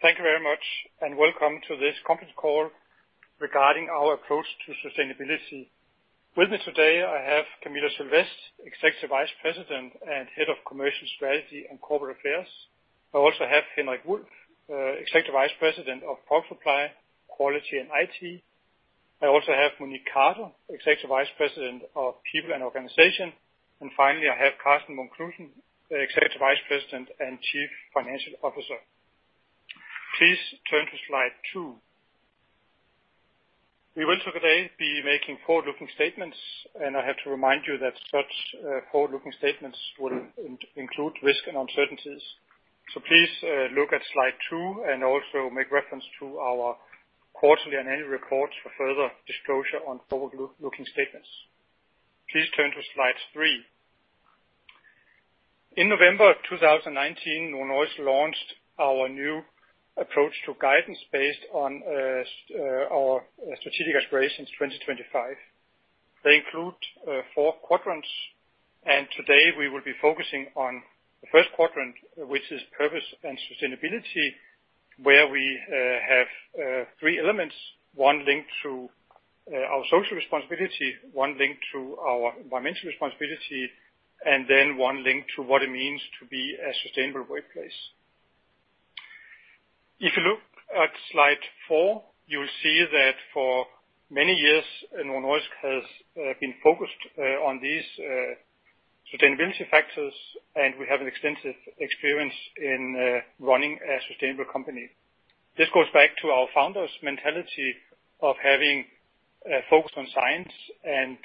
Thank you very much, and welcome to this Conference Call Regarding our Approach to Sustainability. With me today, I have Camilla Sylvest, Executive Vice President and Head of Commercial Strategy and Corporate Affairs. I also have Henrik Wulff, Executive Vice President of Product Supply, Quality, and IT. I also have Monique Carter, Executive Vice President of People and Organization. Finally, I have Karsten Munk Knudsen, Executive Vice President and Chief Financial Officer. Please turn to slide two. We will today be making forward-looking statements, and I have to remind you that such forward-looking statements will include risk and uncertainties. Please look at slide two and also make reference to our quarterly and annual reports for further disclosure on forward-looking statements. Please turn to slide three. In November 2019, Novo Nordisk launched our new approach to guidance based on our Strategic Aspirations 2025. They include four quadrants, and today we will be focusing on the first quadrant, which is purpose and sustainability, where we have three elements. One linked to our social responsibility, one linked to our environmental responsibility, and then one linked to what it means to be a sustainable workplace. If you look at slide four, you will see that for many years, Novo Nordisk has been focused on these sustainability factors, and we have an extensive experience in running a sustainable company. This goes back to our founder's mentality of having a focus on science and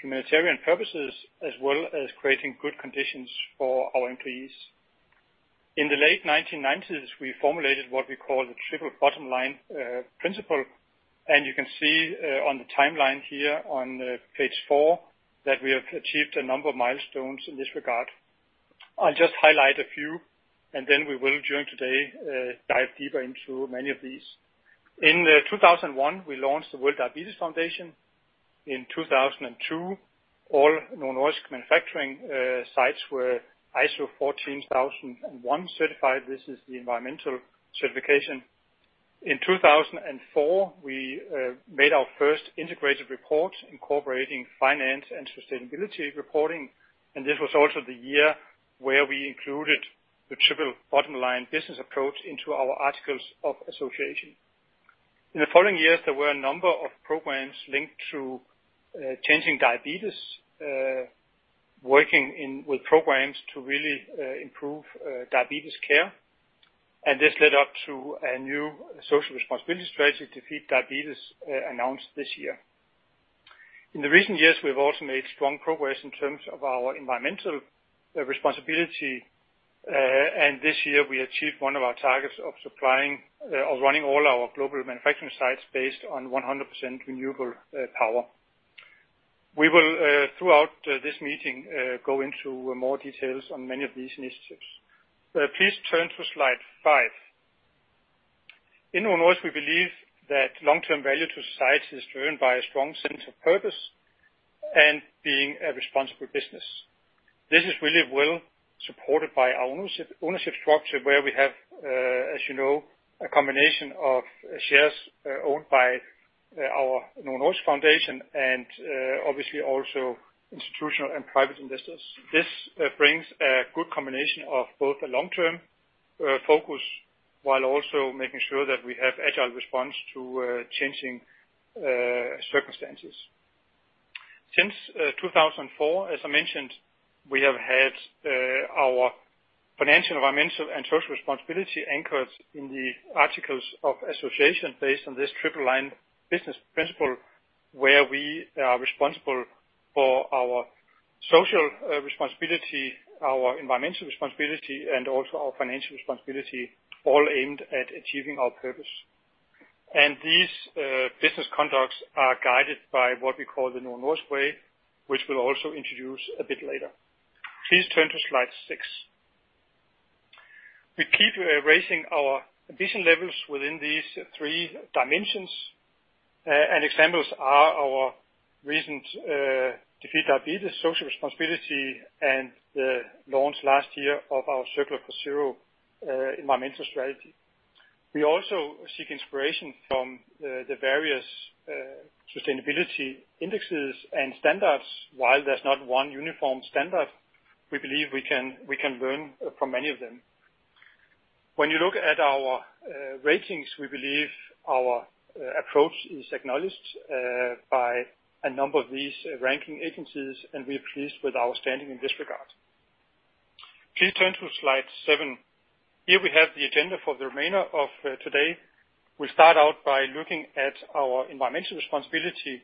humanitarian purposes, as well as creating good conditions for our employees. In the late 1990s, we formulated what we call the Triple Bottom Line principle, and you can see on the timeline here on page four that we have achieved a number of milestones in this regard. I'll just highlight a few. Then we will during today, dive deeper into many of these. In 2001, we launched the World Diabetes Foundation. In 2002, all Novo Nordisk manufacturing sites were ISO 14001 certified. This is the environmental certification. In 2004, we made our first integrated report incorporating finance and sustainability reporting. This was also the year where we included the Triple Bottom Line business approach into our articles of association. In the following years, there were a number of programs linked to changing diabetes, working with programs to really improve diabetes care. This led up to a new social responsibility strategy, Defeat Diabetes, announced this year. In the recent years, we've also made strong progress in terms of our environmental responsibility. This year we achieved one of our targets of supplying or running all our global manufacturing sites based on 100% renewable power. We will, throughout this meeting, go into more details on many of these initiatives. Please turn to slide five. In Novo Nordisk, we believe that long-term value to society is driven by a strong sense of purpose and being a responsible business. This is really well supported by our ownership structure, where we have, as you know, a combination of shares owned by our Novo Nordisk Foundation and, obviously also institutional and private investors. This brings a good combination of both a long-term focus while also making sure that we have agile response to changing circumstances. Since 2004, as I mentioned, we have had our financial, environmental, and social responsibility anchors in the articles of association based on this triple line business principle, where we are responsible for our social responsibility, our environmental responsibility, and also our financial responsibility, all aimed at achieving our purpose. These business conducts are guided by what we call the Novo Nordisk Way, which we'll also introduce a bit later. Please turn to slide six. We keep raising our ambition levels within these three dimensions, and examples are our recent Defeat Diabetes social responsibility and the launch last year of our Circular for Zero environmental strategy. We also seek inspiration from the various sustainability indexes and standards. While there's not one uniform standard, we believe we can learn from many of them. When you look at our ratings, we believe our approach is acknowledged by a number of these ranking agencies, and we are pleased with our standing in this regard. Please turn to slide seven. Here we have the agenda for the remainder of today. We start out by looking at our environmental responsibility,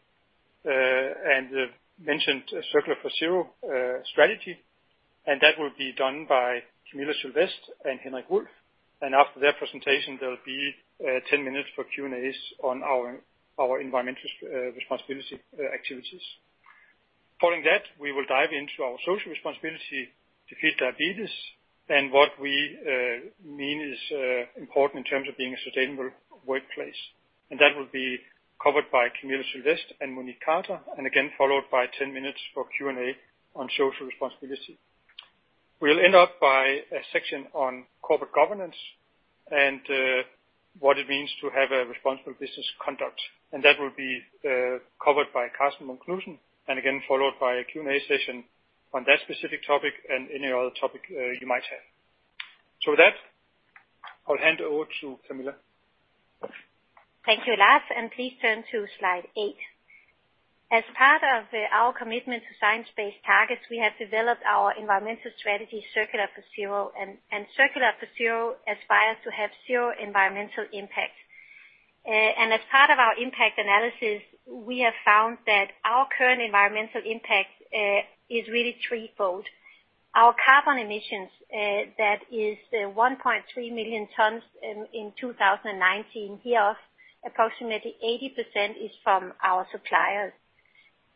and the mentioned Circular for Zero strategy, and that will be done by Camilla Sylvest and Henrik Wulff. After their presentation, there'll be 10 minutes for Q&As on our environmental responsibility activities. Following that, we will dive into our social responsibility, Defeat Diabetes, and what we mean is important in terms of being a sustainable workplace. That will be covered by Camilla Sylvest and Monique Carter, and again followed by 10 minutes for Q&A on social responsibility. We'll end up by a section on corporate governance and what it means to have a responsible business conduct, and that will be covered by Karsten Munk Knudsen, and again, followed by a Q&A session on that specific topic and any other topic you might have. With that, I'll hand over to Camilla. Thank you, Lars, and please turn to slide eight. As part of our commitment to science-based targets, we have developed our environmental strategy, Circular for Zero. Circular for Zero aspires to have zero environmental impact. As part of our impact analysis, we have found that our current environmental impact is really threefold. Our carbon emissions, that is 1.3 million tons in 2019, here approximately 80% is from our suppliers.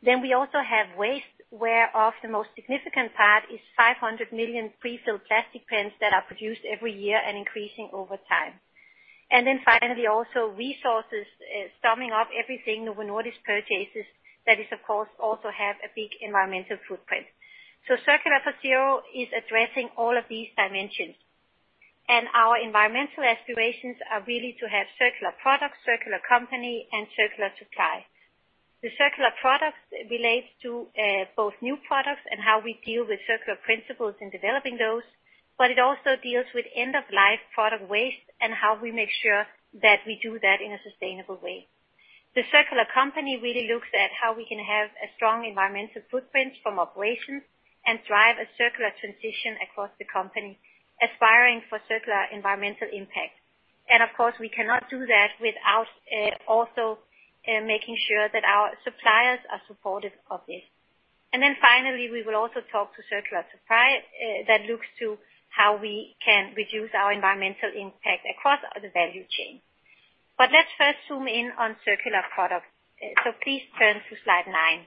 We also have waste, where of the most significant part is 500 million pre-filled plastic pens that are produced every year and increasing over time. Finally, also resources, summing up everything Novo Nordisk purchases, that is, of course, also have a big environmental footprint. Circular for Zero is addressing all of these dimensions. Our environmental aspirations are really to have Circular Products, Circular Company, and Circular Supply. The Circular Products relate to both new products and how we deal with circular principles in developing those. It also deals with end-of-life product waste and how we make sure that we do that in a sustainable way. The Circular Company really looks at how we can have a strong environmental footprint from operations and drive a Circular transition across the company, aspiring for Circular environmental impact. Of course, we cannot do that without also making sure that our suppliers are supportive of this. Finally, we will also talk to Circular Supply that looks to how we can reduce our environmental impact across the value chain. Let's first zoom in on Circular Products. Please turn to slide nine.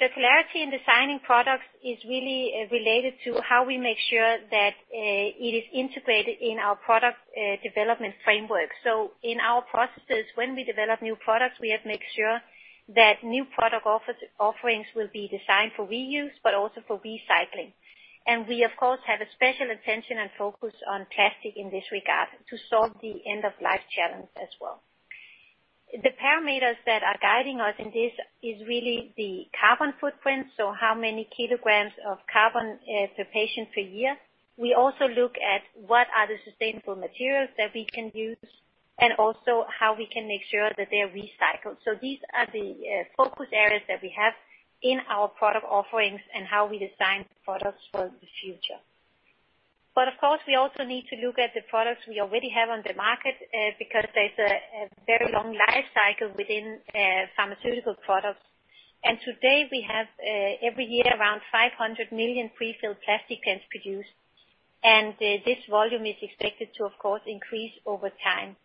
Circularity in designing products is really related to how we make sure that it is integrated in our product development framework. In our processes, when we develop new products, we have make sure that new product offerings will be designed for reuse, but also for recycling. We, of course, have a special attention and focus on plastic in this regard to solve the end-of-life challenge as well. The parameters that are guiding us in this is really the carbon footprint, so how many kilograms of carbon per patient per year. We also look at what are the sustainable materials that we can use, and also how we can make sure that they are recycled. These are the focus areas that we have in our product offerings and how we design products for the future. Of course, we also need to look at the products we already have on the market, because there's a very long life cycle within pharmaceutical products. Today we have, every year, around 500 million pre-filled plastic pens produced, and this volume is expected to, of course, increase over time.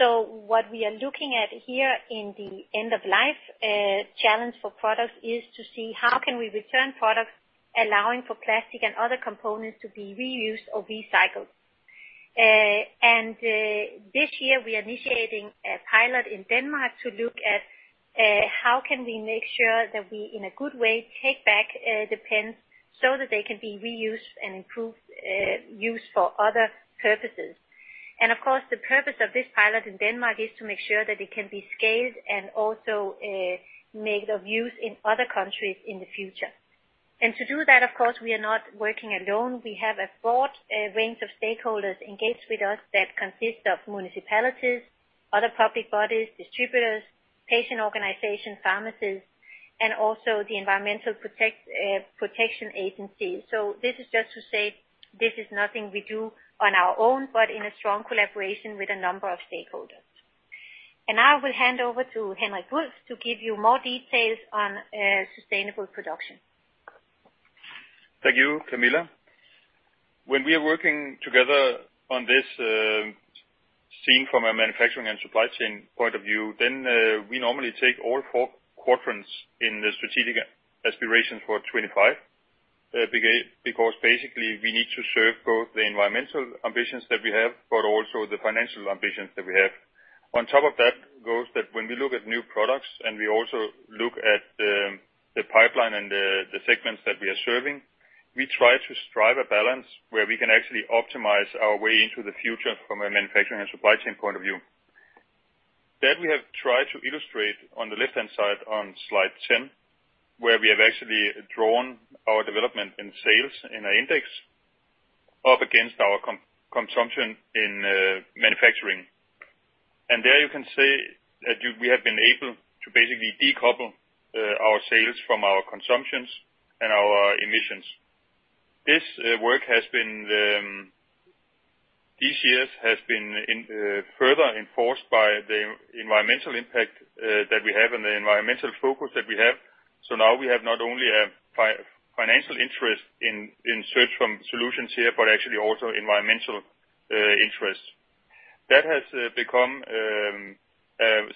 What we are looking at here in the end-of-life challenge for products is to see how can we return products allowing for plastic and other components to be reused or recycled. This year we are initiating a pilot in Denmark to look at how can we make sure that we, in a good way, take back the pens so that they can be reused and improved, used for other purposes. Of course, the purpose of this pilot in Denmark is to make sure that it can be scaled and also made of use in other countries in the future. To do that, of course, we are not working alone. We have a broad range of stakeholders engaged with us that consist of municipalities, other public bodies, distributors, patient organization, pharmacists, and also the environmental protection agency. This is just to say, this is nothing we do on our own, but in a strong collaboration with a number of stakeholders. Now I will hand over to Henrik Wulff to give you more details on sustainable production. Thank you, Camilla. When we are working together on this, seeing from a manufacturing and supply chain point of view, then we normally take all four quadrants in the Strategic Aspirations 2025, because basically we need to serve both the environmental ambitions that we have, but also the financial ambitions that we have. On top of that goes that when we look at new products and we also look at the pipeline and the segments that we are serving, we try to strike a balance where we can actually optimize our way into the future from a manufacturing and supply chain point of view. That we have tried to illustrate on the left-hand side on slide 10, where we have actually drawn our development in sales in our index up against our consumption in manufacturing. There you can see that we have been able to basically decouple our sales from our consumptions and our emissions. This work, these years, has been further enforced by the environmental impact that we have and the environmental focus that we have. Now we have not only a financial interest in search from solutions here, but actually also environmental interests. That has become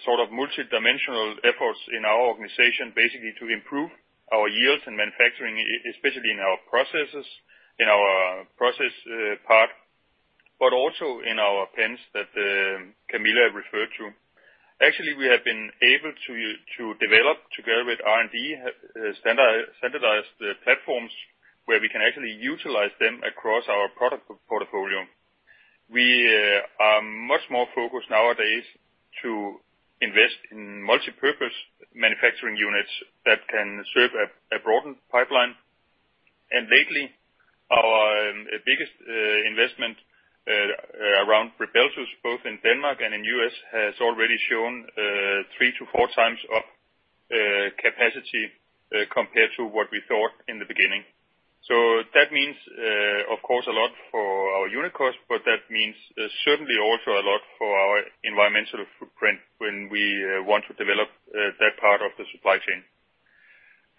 sort of multidimensional efforts in our organization, basically to improve our yields and manufacturing, especially in our processes, in our process part, but also in our pens that Camilla referred to. Actually, we have been able to develop together with R&D, standardize the platforms where we can actually utilize them across our product portfolio. We are much more focused nowadays to invest in multipurpose manufacturing units that can serve a broadened pipeline. Lately, our biggest investment around RYBELSUS, both in Denmark and in the U.S., has already shown three to four times up capacity compared to what we thought in the beginning. That means, of course, a lot for our unit cost, but that means certainly also a lot for our environmental footprint when we want to develop that part of the supply chain.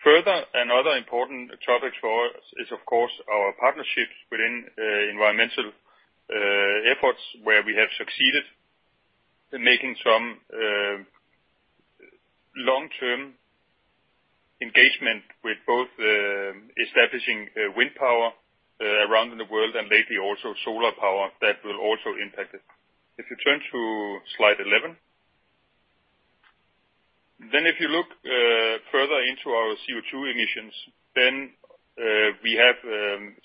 Further, another important topic for us is, of course, our partnerships within environmental efforts, where we have succeeded in making some long-term engagement with both establishing wind power around in the world and lately also solar power, that will also impact it. If you turn to slide 11. If you look further into our CO2 emissions, then we have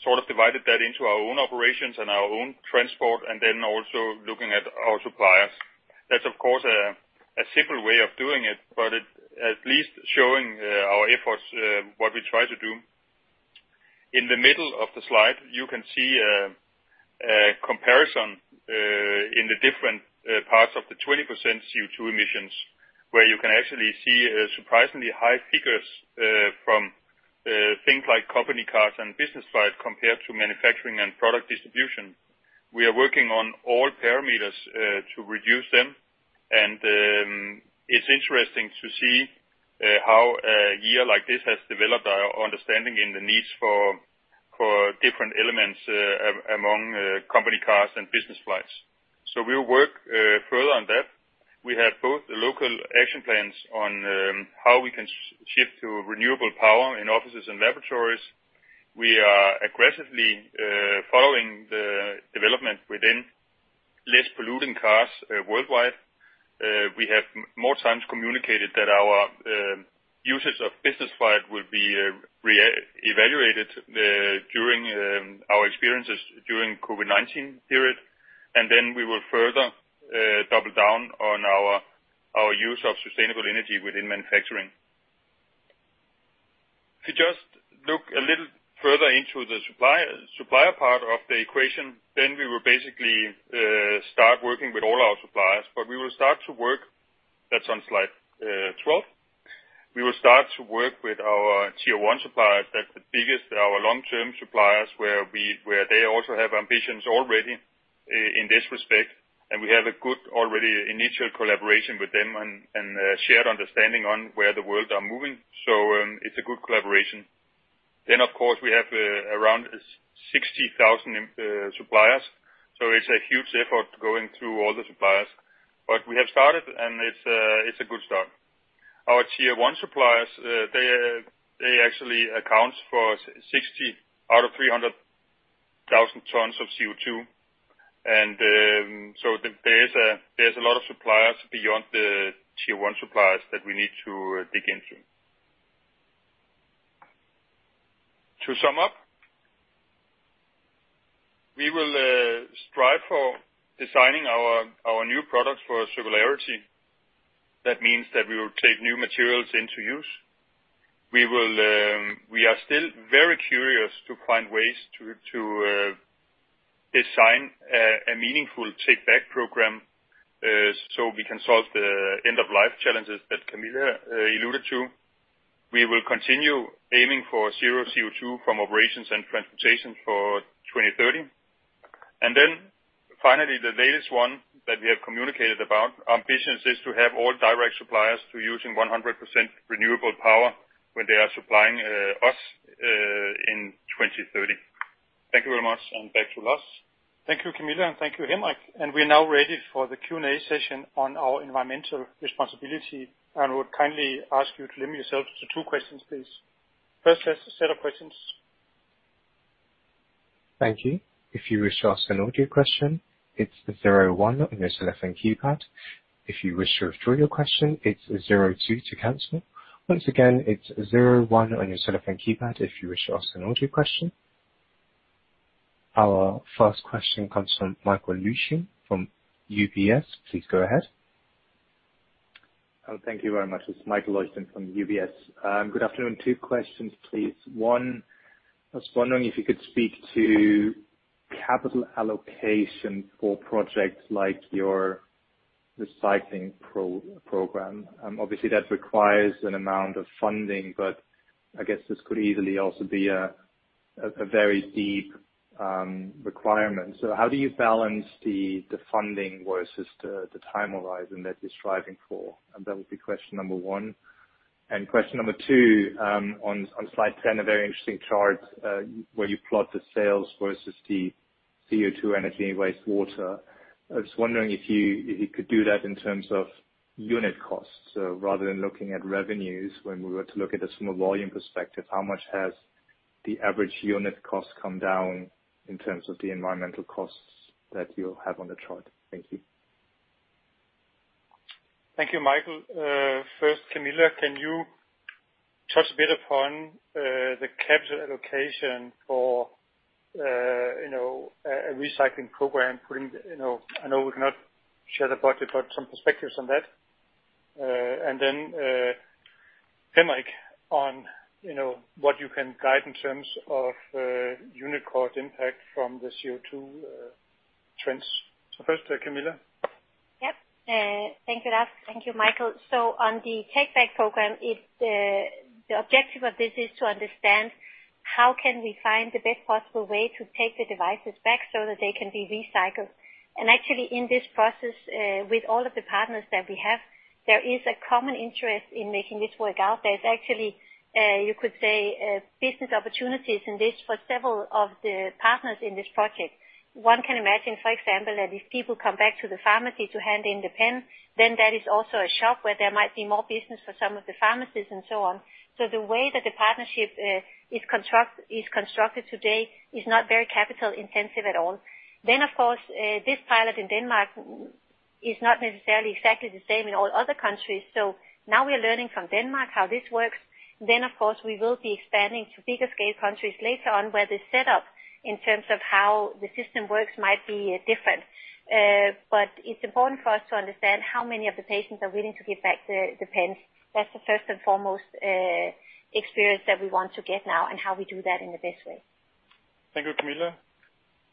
sort of divided that into our own operations and our own transport, and then also looking at our suppliers. That's, of course, a simple way of doing it, but it at least showing our efforts, what we try to do. In the middle of the slide, you can see a comparison in the different parts of the 20% CO2 emissions, where you can actually see surprisingly high figures from things like company cars and business flights compared to manufacturing and product distribution. We are working on all parameters to reduce them, and it's interesting to see how a year like this has developed our understanding and the needs for different elements among company cars and business flights. We'll work further on that. We have both local action plans on how we can shift to renewable power in offices and laboratories. We are aggressively following the development within less polluting cars worldwide. We have more times communicated that our usage of business flight will be re-evaluated during our experiences during COVID-19 period, and then we will further double down on our use of sustainable energy within manufacturing. If you just look a little further into the supplier part of the equation, then we will basically start working with all our suppliers. That's on slide 12. We will start to work with our Tier 1 suppliers. That's the biggest, our long-term suppliers, where they also have ambitions already in this respect, and we have a good already initial collaboration with them and a shared understanding on where the world are moving. It's a good collaboration. Of course, we have around 60,000 suppliers, so it's a huge effort going through all the suppliers. We have started, and it's a good start. Our Tier 1 suppliers, they actually account for 60 out of 300,000 tons of CO2, and so there's a lot of suppliers beyond the tier-one suppliers that we need to dig into. To sum up, we will strive for designing our new products for circularity. That means that we will take new materials into use. We are still very curious to find ways to design a meaningful take back program, so we can solve the end-of-life challenges that Camilla alluded to. We will continue aiming for zero CO2 from operations and transportation for 2030. Finally, the latest one that we have communicated about, our ambition is to have all direct suppliers to using 100% renewable power when they are supplying us in 2030. Thank you very much, and back to Lars. Thank you, Camilla, and thank you, Henrik. We're now ready for the Q&A session on our environmental responsibility and would kindly ask you to limit yourself to two questions, please. First, let's set up questions. Thank you. If you wish to ask a question its zero one from your telephone keypad. If you want to withdraw your question its zero two to cancel, once again its zero one on your telephone keypad if you want another question. Our first question comes from Michael Leuchten from UBS. Please go ahead. Thank you very much. It's Michael Leuchten from UBS. Good afternoon. Two questions, please. One, I was wondering if you could speak to capital allocation for projects like your recycling program. That requires an amount of funding, but I guess this could easily also be a very steep requirement. How do you balance the funding versus the time horizon that you're striving for? That would be question number one. Question number two, on slide 10, a very interesting chart, where you plot the sales versus the CO2, energy, and wastewater. I was wondering if you could do that in terms of unit costs, so rather than looking at revenues, when we were to look at this from a volume perspective, how much has the average unit cost come down in terms of the environmental costs that you have on the chart? Thank you. Thank you, Michael. First, Camilla, can you touch a bit upon the capital allocation for a recycling program? I know we cannot share the budget, but some perspectives on that. Then, Henrik, on what you can guide in terms of unit cost impact from the CO2 trends. First, Camilla. Yep. Thank you, Lars. Thank you, Michael. On the Take-Back program, the objective of this is to understand how can we find the best possible way to take the devices back so that they can be recycled. Actually, in this process, with all of the partners that we have, there is a common interest in making this work out. There is actually, you could say, business opportunities in this for several of the partners in this project. One can imagine, for example, that if people come back to the pharmacy to hand in the pen, then that is also a shop where there might be more business for some of the pharmacists, and so on. The way that the partnership is constructed today is not very capital-intensive at all. Of course, this pilot in Denmark is not necessarily exactly the same in all other countries. Now we are learning from Denmark how this works. Of course, we will be expanding to bigger scale countries later on, where the setup in terms of how the system works might be different. It's important for us to understand how many of the patients are willing to give back the pens. That's the first and foremost experience that we want to get now and how we do that in the best way. Thank you, Camilla.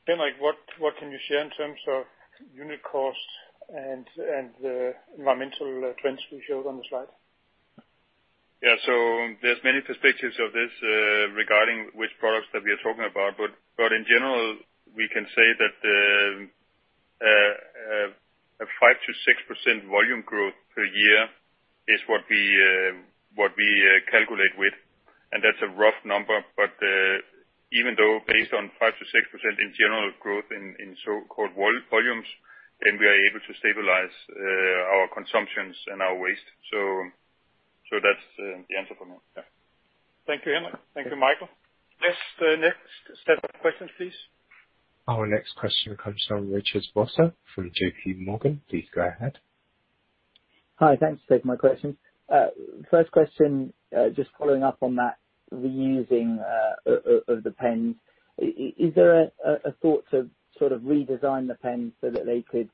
Henrik, what can you share in terms of unit costs and the environmental trends we showed on the slide? There's many perspectives of this regarding which products that we are talking about. In general, we can say that a 5%-6% volume growth per year is what we calculate with, and that's a rough number. Even though based on 5%-6% in general growth in so-called world volumes, then we are able to stabilize our consumptions and our waste. That's the answer from me. Thank you, Henrik. Thank you, Michael. Yes, the next set of questions, please. Our next question comes from Richard Vosser from JPMorgan. Please go ahead. Hi. Thanks for taking my questions. First question, just following up on that reusing of the pens. Is there a thought to redesign the pens so that they could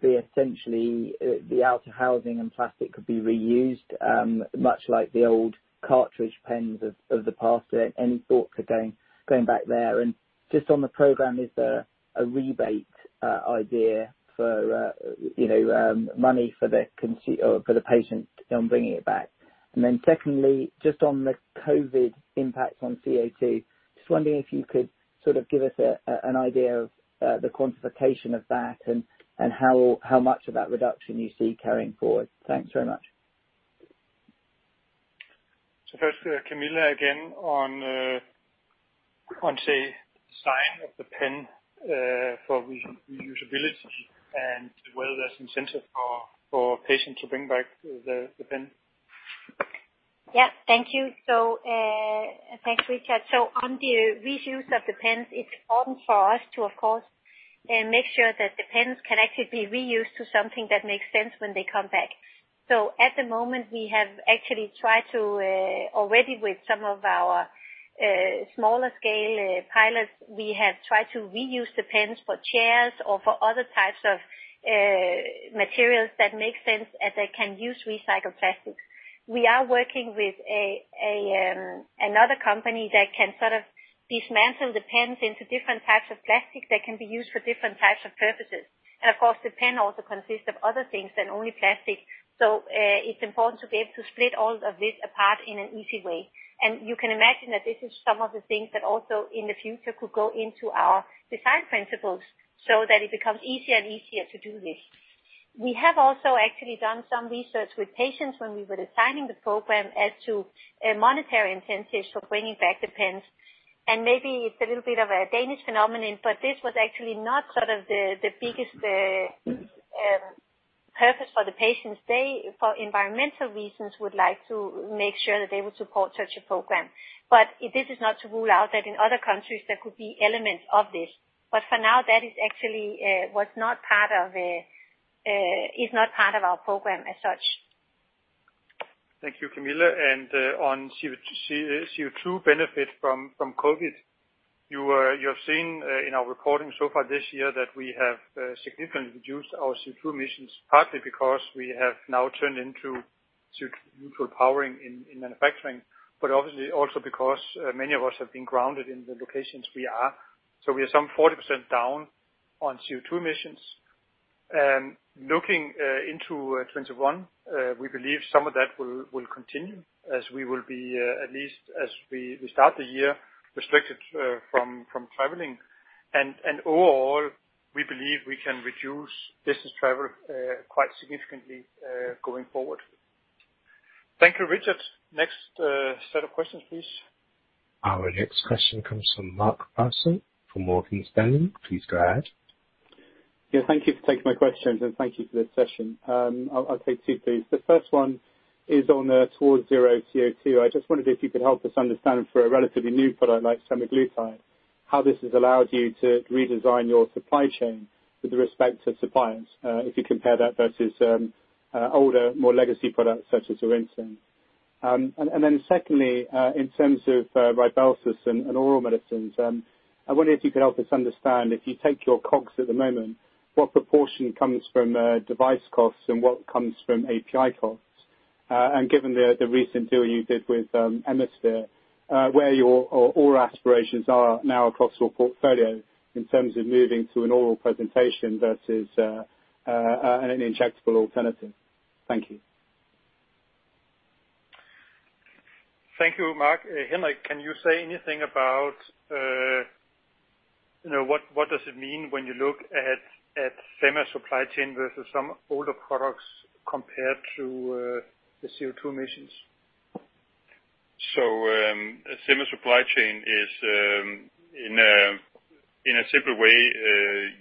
be essentially the outer housing and plastic could be reused, much like the old cartridge pens of the past? Any thought for going back there? Just on the program, is there a rebate idea for money for the patient on bringing it back? Secondly, just on the COVID impact on CO2, just wondering if you could give us an idea of the quantification of that and how much of that reduction you see carrying forward. Thanks very much. First, Camilla, again, on design of the pen for reusability and whether there's incentive for patients to bring back the pen. Yeah. Thank you. Thanks, Richard. On the reuse of the pens, it's important for us to, of course, make sure that the pens can actually be reused to something that makes sense when they come back. At the moment, we have actually tried to already with some of our smaller-scale pilot, we have tried to reuse the pens for chairs or for other types of materials that make sense as they can use recycled plastics. We are working with another company that can sort of dismantle the pens into different types of plastics that can be used for different types of purposes. Of course, the pen also consists of other things than only plastic. It's important to be able to split all of this apart in an easy way. You can imagine that this is some of the things that also in the future could go into our design principles so that it becomes easier and easier to do this. We have also actually done some research with patients when we were designing the program as to monetary incentives for bringing back the pens. Maybe it's a little bit of a Danish phenomenon, but this was actually not sort of the biggest purpose for the patients. They, for environmental reasons, would like to make sure that they would support such a program. This is not to rule out that in other countries, there could be elements of this. For now, that is actually not part of our program as such. Thank you, Camilla. On CO2 benefit from COVID, you have seen in our reporting so far this year that we have significantly reduced our CO2 emissions, partly because we have now turned into neutral powering in manufacturing, obviously also because many of us have been grounded in the locations we are. We are some 40% down on CO2 emissions. Looking into 2021, we believe some of that will continue as we will be, at least as we start the year, restricted from traveling. Overall, we believe we can reduce business travel quite significantly going forward. Thank you, Richard. Next set of questions, please. Our next question comes from Mark Purcell from Morgan Stanley. Please go ahead. Thank you for taking my questions. Thank you for this session. I'll take two, please. The first one is on towards zero CO2. I just wondered if you could help us understand for a relatively new product like semaglutide, how this has allowed you to redesign your supply chain with respect to suppliers, if you compare that versus older, more legacy products such as. Secondly, in terms of RYBELSUS and oral medicines, I wonder if you could help us understand, if you take your COGS at the moment, what proportion comes from device costs and what comes from API costs? Given the recent deal you did with Emisphere, where your oral aspirations are now across your portfolio in terms of moving to an oral presentation versus an injectable alternative. Thank you. Thank you, Mark. Henrik, can you say anything about what does it mean when you look at Sema supply chain versus some older products compared to the CO2 emissions? Sema supply chain is, in a simple way,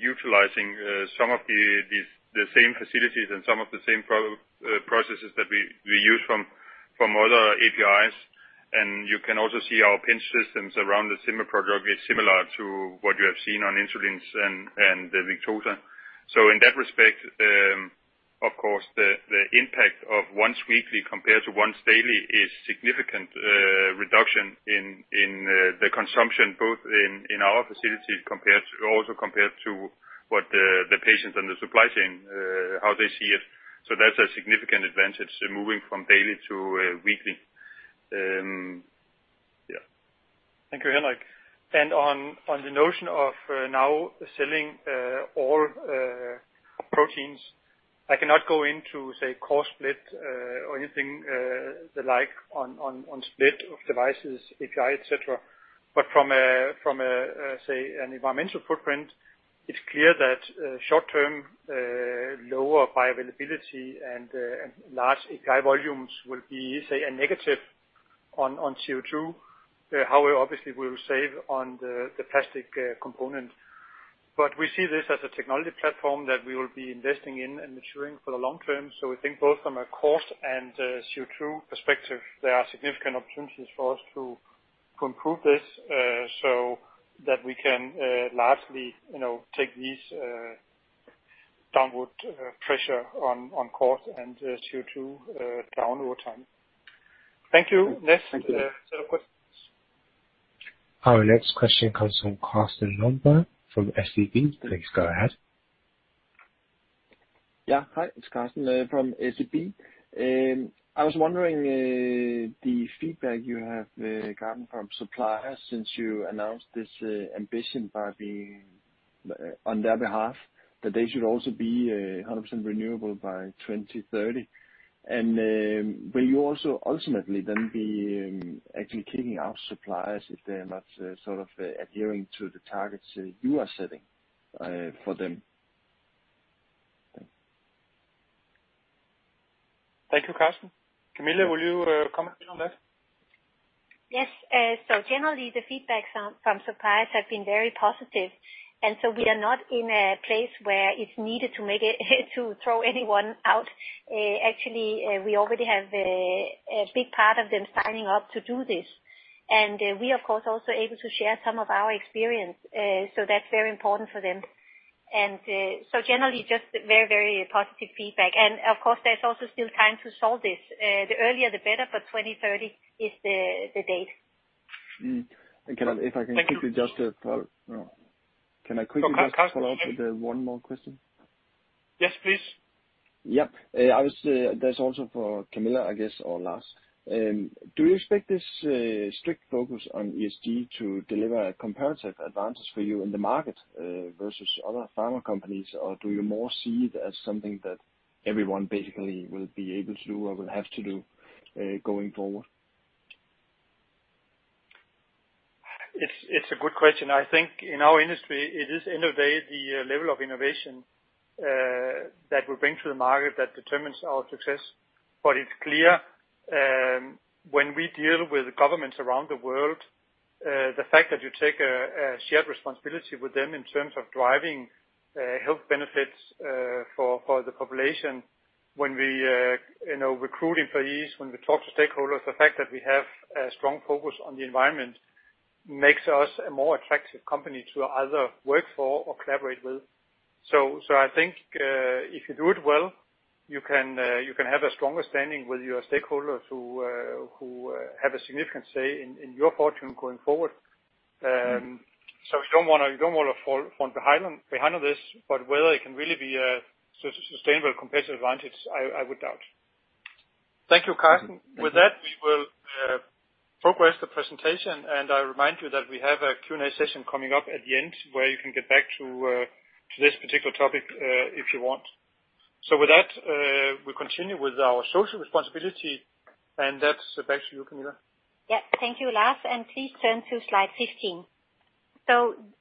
utilizing some of the same facilities and some of the same processes that we use from other APIs. You can also see our pen systems around the Sema product is similar to what you have seen on insulins and Victoza. In that respect, of course, the impact of once-weekly compared to once-daily is significant reduction in the consumption, both in our facilities and also compared to what the patients and the supply chain, how they see it. That's a significant advantage to moving from daily to weekly. Yeah. Thank you, Henrik. On the notion of now selling all proteins, I cannot go into, say, cost split or anything like on split of devices, API, et cetera. From, say, an environmental footprint, it's clear that short-term, lower bioavailability and large API volumes will be, say, a negative on CO2. However, obviously, we will save on the plastic component. We see this as a technology platform that we will be investing in and maturing for the long term. We think both from a cost and CO2 perspective, there are significant opportunities for us to improve this, so that we can largely take this downward pressure on cost and CO2 down over time. Thank you. Next set of questions. Our next question comes from Carsten Lønborg from SEB. Please go ahead. Hi, it's Carsten from SEB. I was wondering, the feedback you have gotten from suppliers since you announced this ambition by being on their behalf, that they should also be 100% renewable by 2030. Will you also ultimately then be actually kicking out suppliers if they're not adhering to the targets that you are setting for them? Thank you, Carsten. Camilla, will you comment in on that? Yes. Generally, the feedback from suppliers have been very positive, we are not in a place where it's needed to throw anyone out. Actually, we already have a big part of them signing up to do this. We, of course, also able to share some of our experience. That's very important for them. Generally just very positive feedback. Of course, there's also still time to solve this. The earlier, the better, but 2030 is the date. If I can quickly just follow up. Thank you. Can I quickly just follow up With one more question? Yes, please. Yeah. That is also for Camilla, I guess, or Lars. Do you expect this strict focus on ESG to deliver a comparative advantage for you in the market versus other pharma companies? Or do you more see it as something that everyone basically will be able to do or will have to do going forward? It's a good question. I think in our industry, it is the level of innovation that we bring to the market that determines our success. It's clear when we deal with governments around the world, the fact that you take a shared responsibility with them in terms of driving health benefits for the population, when we recruit employees, when we talk to stakeholders, the fact that we have a strong focus on the environment makes us a more attractive company to either work for or collaborate with. I think if you do it well, you can have a stronger standing with your stakeholders who have a significant say in your fortune going forward. You don't want to fall behind on this, but whether it can really be a sustainable competitive advantage, I would doubt. Thank you, Carsten. With that, we will progress the presentation, and I remind you that we have a Q&A session coming up at the end, where you can get back to this particular topic if you want. With that, we continue with our social responsibility, and that's back to you, Camilla. Yeah. Thank you, Lars. Please turn to slide 15.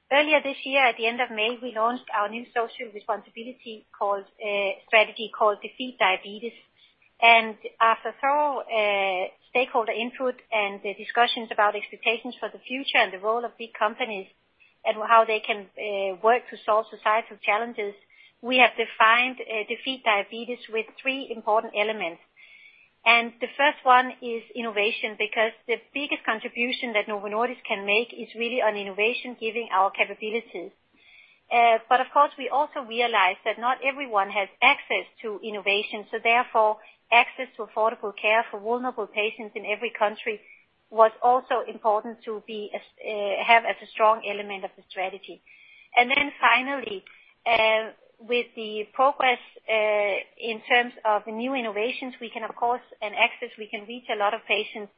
Earlier this year, at the end of May, we launched our new social responsibility strategy called Defeat Diabetes. After thorough stakeholder input and the discussions about expectations for the future and the role of big companies and how they can work to solve societal challenges, we have defined Defeat Diabetes with three important elements. The first one is innovation, because the biggest contribution that Novo Nordisk can make is really on innovation, given our capabilities. Of course, we also realize that not everyone has access to innovation. Therefore, access to affordable care for vulnerable patients in every country was also important to have as a strong element of the strategy. Finally, with the progress, in terms of new innovations, we can, of course, and access, we can reach a lot of patients.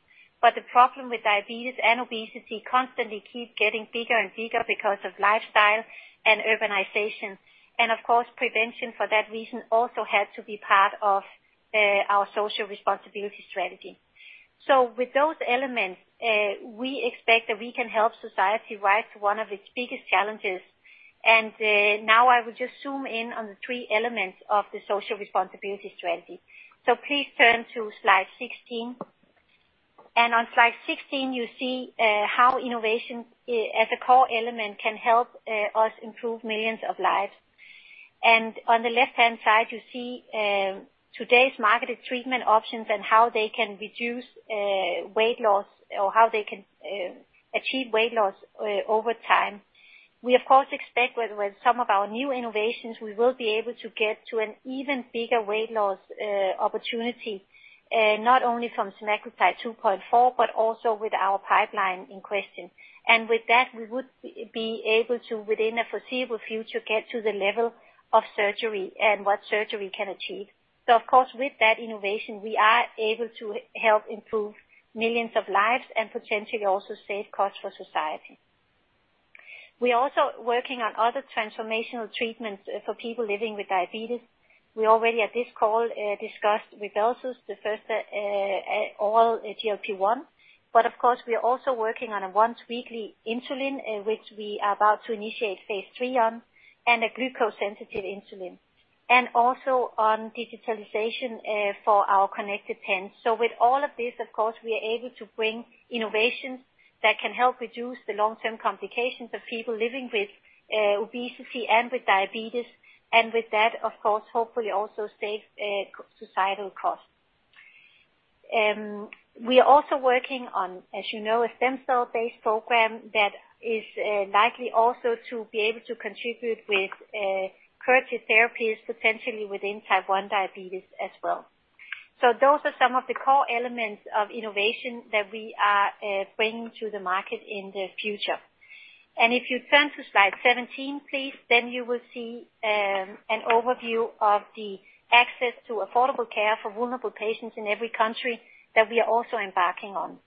The problem with diabetes and obesity constantly keeps getting bigger and bigger because of lifestyle and urbanization. Of course, prevention, for that reason, also had to be part of our Social Responsibility Strategy. With those elements, we expect that we can help society rise to one of its biggest challenges. Now I will just zoom in on the three elements of the Social Responsibility Strategy. Please turn to slide 16. On slide 16, you see how innovation as a core element can help us improve millions of lives. On the left-hand side, you see today's marketed treatment options and how they can reduce weight loss or how they can achieve weight loss over time. We, of course, expect with some of our new innovations, we will be able to get to an even bigger weight loss opportunity, not only from semaglutide 2.4 mg, but also with our pipeline in question. With that, we would be able to, within the foreseeable future, get to the level of surgery and what surgery can achieve. Of course, with that innovation, we are able to help improve millions of lives and potentially also save costs for society. We are also working on other transformational treatments for people living with diabetes. We already at this call discussed RYBELSUS, the first oral GLP-1. Of course, we are also working on a once-weekly insulin, which we are about to initiate phase III on, and a glucose-sensitive insulin, and also on digitalization for our connected pens. With all of this, of course, we are able to bring innovations that can help reduce the long-term complications of people living with obesity and with diabetes. With that, of course, hopefully also save societal costs. We are also working on, as you know, a stem cell-based program that is likely also to be able to contribute with curative therapies, potentially within Type 1 diabetes as well. Those are some of the core elements of innovation that we are bringing to the market in the future. If you turn to slide 17, please, you will see an overview of the access to affordable care for vulnerable patients in every country that we are also embarking on.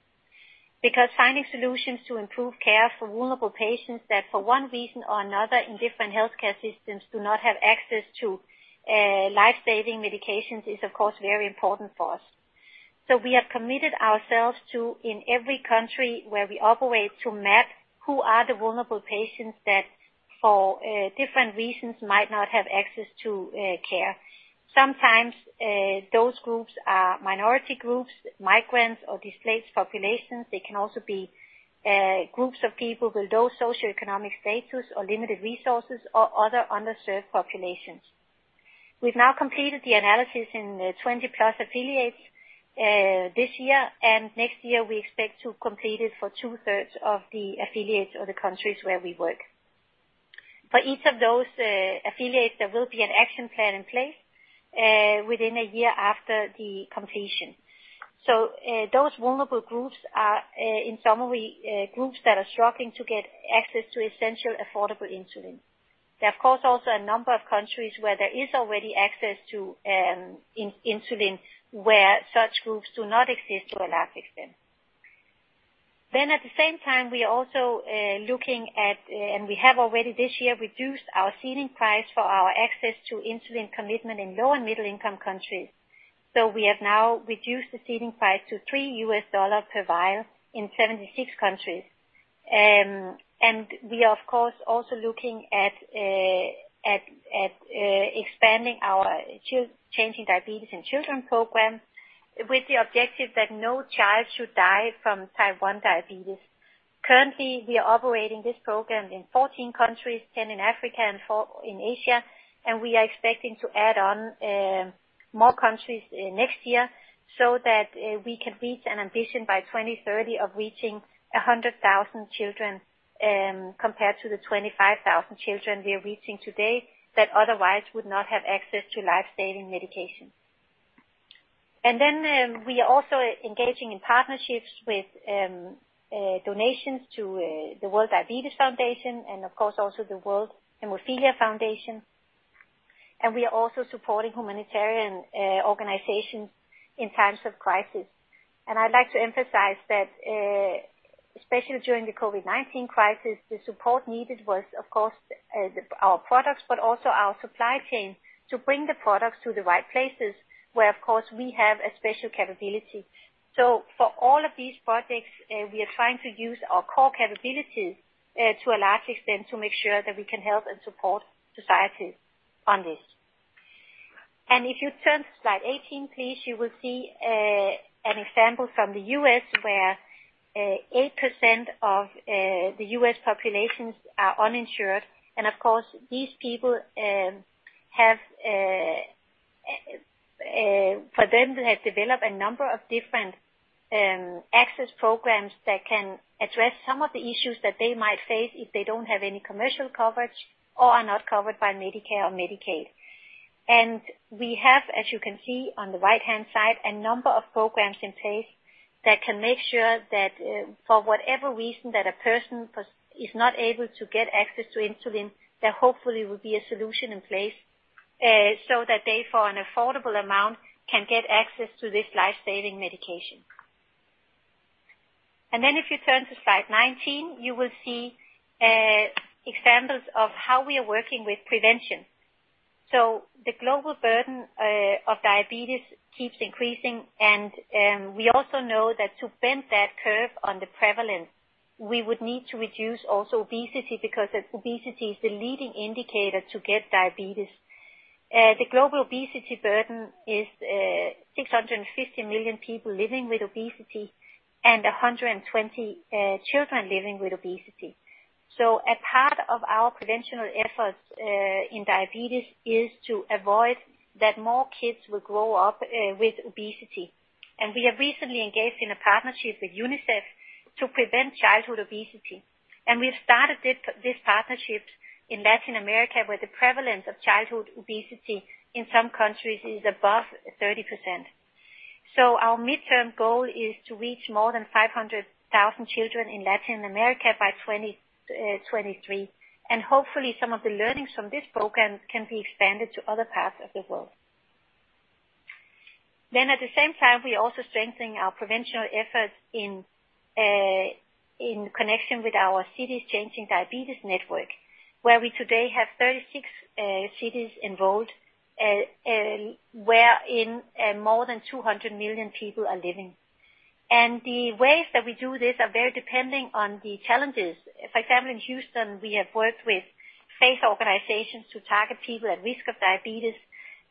Because finding solutions to improve care for vulnerable patients that, for one reason or another, in different healthcare systems do not have access to life-saving medications is, of course, very important for us. We have committed ourselves to, in every country where we operate, to map who are the vulnerable patients that for different reasons might not have access to care. Sometimes those groups are minority groups, migrants, or displaced populations. They can also be groups of people with low socioeconomic status or limited resources or other underserved populations. We've now completed the analysis in 20 plus affiliates this year. Next year we expect to complete it for two-thirds of the affiliates or the countries where we work. For each of those affiliates, there will be an action plan in place within a year after the completion. Those vulnerable groups are, in summary, groups that are struggling to get access to essential, affordable insulin. There are, of course, also a number of countries where there is already access to insulin where such groups do not exist to a large extent. At the same time, we are also looking at, and we have already this year reduced our seeding price for our access to insulin commitment in low and middle-income countries. We have now reduced the seeding price to $3 per vial in 76 countries. We are, of course, also looking at expanding our Changing Diabetes in Children program with the objective that no child should die from Type 1 diabetes. Currently, we are operating this program in 14 countries, 10 in Africa and four in Asia, and we are expecting to add on more countries next year so that we can reach an ambition by 2030 of reaching 100,000 children compared to the 25,000 children we are reaching today that otherwise would not have access to life-saving medication. We are also engaging in partnerships with donations to the World Diabetes Foundation and, of course, also the World Federation of Hemophilia. We are also supporting humanitarian organizations in times of crisis. I'd like to emphasize that, especially during the COVID-19 crisis, the support needed was, of course, our products, but also our supply chain to bring the products to the right places where, of course, we have a special capability. For all of these projects, we are trying to use our core capabilities to a large extent to make sure that we can help and support society on this. If you turn to slide 18, please, you will see an example from the U.S. where 8% of the U.S. populations are uninsured, and of course, these people, for them, they have developed a number of different access programs that can address some of the issues that they might face if they don't have any commercial coverage or are not covered by Medicare or Medicaid. We have, as you can see on the right-hand side, a number of programs in place that can make sure that for whatever reason that a person is not able to get access to insulin, there hopefully will be a solution in place, so that they, for an affordable amount, can get access to this life-saving medication. If you turn to slide 19, you will see examples of how we are working with prevention. The global burden of diabetes keeps increasing, and we also know that to bend that curve on the prevalence, we would need to reduce also obesity, because obesity is the leading indicator to get diabetes. The global obesity burden is 650 million people living with obesity and 120 children million living with obesity. A part of our preventional efforts in diabetes is to avoid that more kids will grow up with obesity. We have recently engaged in a partnership with UNICEF to prevent childhood obesity. We've started this partnership in Latin America, where the prevalence of childhood obesity in some countries is above 30%. Our midterm goal is to reach more than 500,000 children in Latin America by 2023. Hopefully, some of the learnings from this program can be expanded to other parts of the world. At the same time, we are also strengthening our prevention efforts in connection with our Cities Changing Diabetes network, where we today have 36 cities involved wherein more than 200 million people are living. The ways that we do this are very depending on the challenges. For example, in Houston, we have worked with faith organizations to target people at risk of diabetes.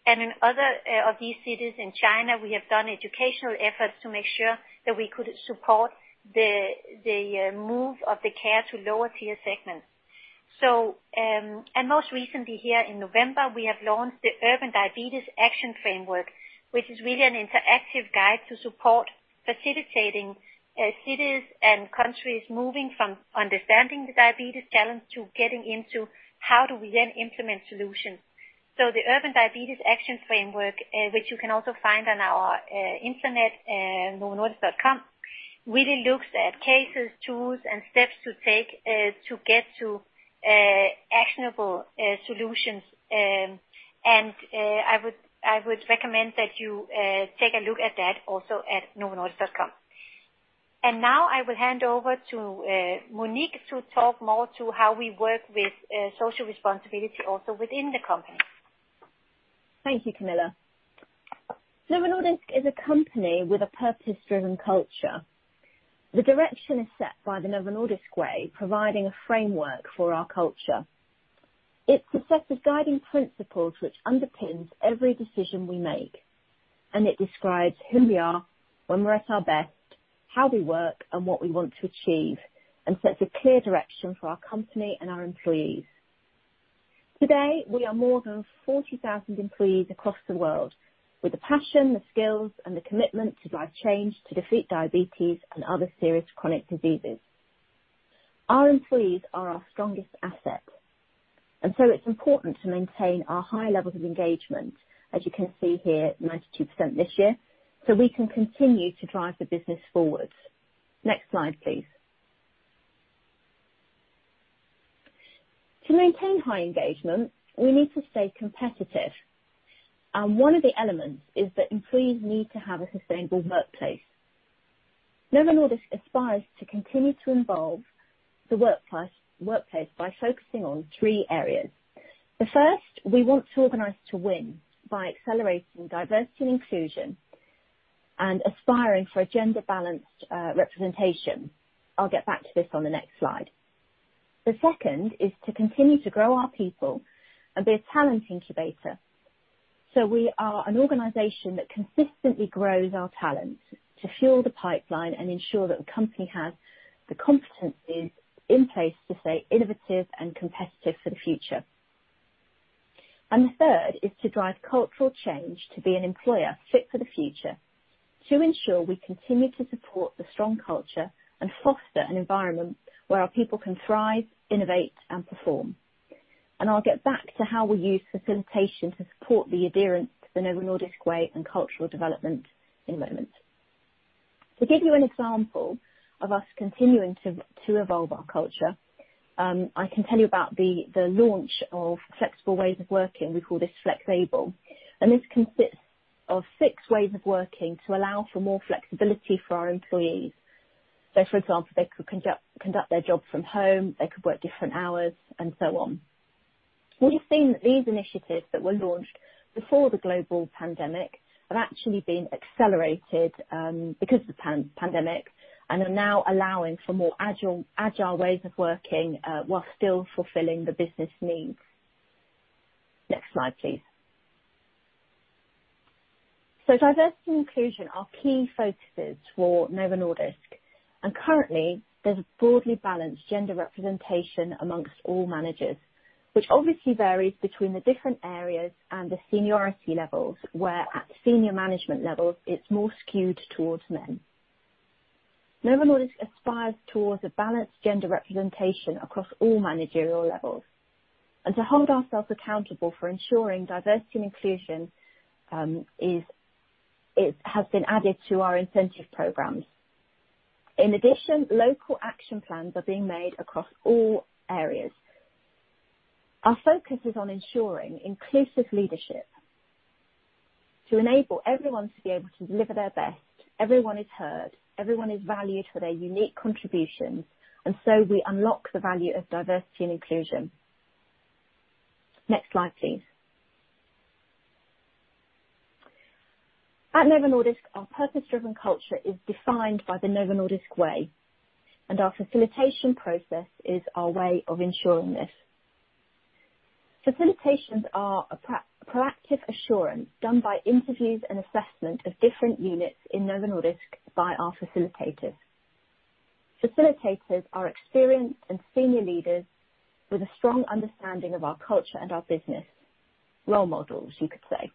In other of these cities in China, we have done educational efforts to make sure that we could support the move of the care to lower tier segments. Most recently here in November, we have launched the Urban Diabetes Action Framework, which is really an interactive guide to support facilitating cities and countries moving from understanding the diabetes challenge to getting into how do we then implement solutions. The Urban Diabetes Action Framework, which you can also find on our internet at novonordisk.com, really looks at cases, tools, and steps to take to get to actionable solutions. I would recommend that you take a look at that also at novonordisk.com. Now I will hand over to Monique to talk more to how we work with social responsibility also within the company. Thank you, Camilla. Novo Nordisk is a company with a purpose-driven culture. The direction is set by the Novo Nordisk Way, providing a framework for our culture. It sets the guiding principles which underpins every decision we make. It describes who we are when we're at our best, how we work, and what we want to achieve, and sets a clear direction for our company and our employees. Today, we are more than 40,000 employees across the world with the passion, the skills, and the commitment to drive change to Defeat Diabetes and other serious chronic diseases. Our employees are our strongest assets. It's important to maintain our high levels of engagement, as you can see here, 92% this year, so we can continue to drive the business forward. Next slide, please. To maintain high engagement, we need to stay competitive. One of the elements is that employees need to have a sustainable workplace. Novo Nordisk aspires to continue to involve the workplace by focusing on three areas. The first, we want to organize to win by accelerating diversity and inclusion and aspiring for gender-balanced representation. I'll get back to this on the next slide. The second is to continue to grow our people and be a talent incubator, so we are an organization that consistently grows our talent to fuel the pipeline and ensure that the company has the competencies in place to stay innovative and competitive for the future. The third is to drive cultural change to be an employer fit for the future, to ensure we continue to support the strong culture and foster an environment where our people can thrive, innovate, and perform. I'll get back to how we use facilitation to support the adherence to the Novo Nordisk Way and cultural development in a moment. To give you an example of us continuing to evolve our culture, I can tell you about the launch of flexible ways of working. We call this FlexAble, and this consists of six ways of working to allow for more flexibility for our employees. For example, they could conduct their job from home, they could work different hours, and so on. We've seen that these initiatives that were launched before the global pandemic have actually been accelerated because of the pandemic and are now allowing for more agile ways of working while still fulfilling the business needs. Next slide, please. Diversity and inclusion are key focuses for Novo Nordisk, and currently there's a broadly balanced gender representation amongst all managers, which obviously varies between the different areas and the seniority levels, where at senior management levels it's more skewed towards men. Novo Nordisk aspires towards a balanced gender representation across all managerial levels. To hold ourselves accountable for ensuring diversity and inclusion has been added to our incentive programs. In addition, local action plans are being made across all areas. Our focus is on ensuring inclusive leadership to enable everyone to be able to deliver their best. Everyone is heard, everyone is valued for their unique contributions, and so we unlock the value of diversity and inclusion. Next slide, please. At Novo Nordisk, our purpose-driven culture is defined by the Novo Nordisk Way, and our facilitation process is our way of ensuring this. Facilitations are a proactive assurance done by interviews and assessment of different units in Novo Nordisk by our facilitators. Facilitators are experienced and senior leaders with a strong understanding of our culture and our business. Role models, you could say.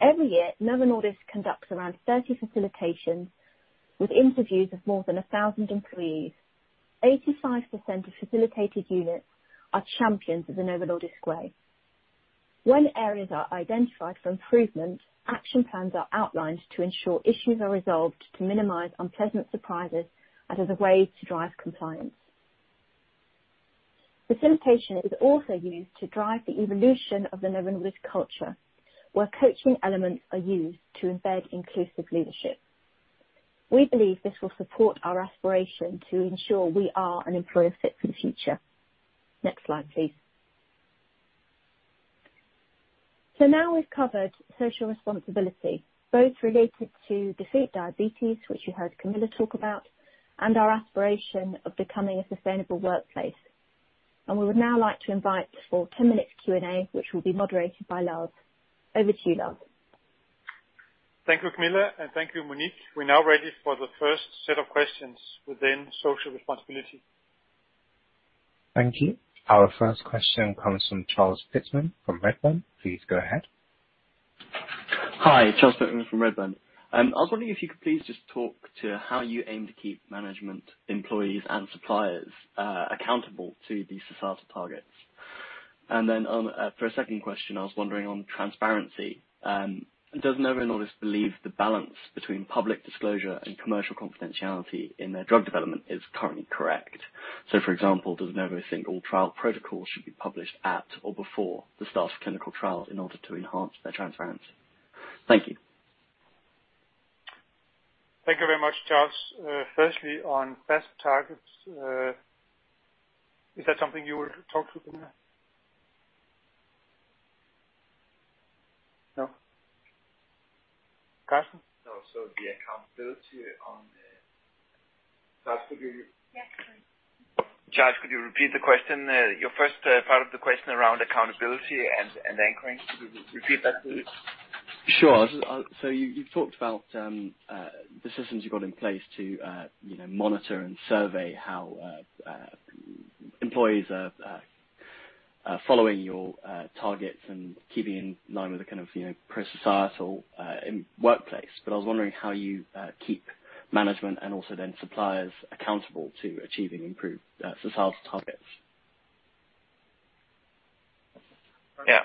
Every year, Novo Nordisk conducts around 30 facilitations with interviews of more than 1,000 employees. 85% of facilitated units are champions of the Novo Nordisk Way. When areas are identified for improvement, action plans are outlined to ensure issues are resolved to minimize unpleasant surprises and as a way to drive compliance. Facilitation is also used to drive the evolution of the Novo Nordisk culture, where coaching elements are used to embed inclusive leadership. We believe this will support our aspiration to ensure we are an employer fit for the future. Next slide, please. Now we've covered social responsibility, both related to Defeat Diabetes, which you heard Camilla talk about, and our aspiration of becoming a sustainable workplace. We would now like to invite for 10 minutes Q&A, which will be moderated by Lars. Over to you, Lars. Thank you, Camilla, and thank you, Monique. We're now ready for the first set of questions within social responsibility. Thank you. Our first question comes from Charles Pitman from Redburn. Please go ahead. Hi, Charles Pitman from Redburn. I was wondering if you could please just talk to how you aim to keep management employees and suppliers accountable to the societal targets. For a second question, I was wondering on transparency. Does Novo Nordisk believe the balance between public disclosure and commercial confidentiality in their drug development is currently correct? For example, does Novo think all trial protocols should be published at or before the start of clinical trials in order to enhance their transparency? Thank you. Thank you very much, Charles. Firstly, on best targets, is that something you would talk to, Camilla? No. Karsten? No. The accountability on the Charles, could you. Yes. Charles, could you repeat the question? Your first part of the question around accountability and anchoring. Could you repeat that, please? Sure. You've talked about the systems you've got in place to monitor and survey how employees are following your targets and keeping in line with the kind of pro-societal workplace. I was wondering how you keep management and also then suppliers accountable to achieving improved societal targets. Yeah.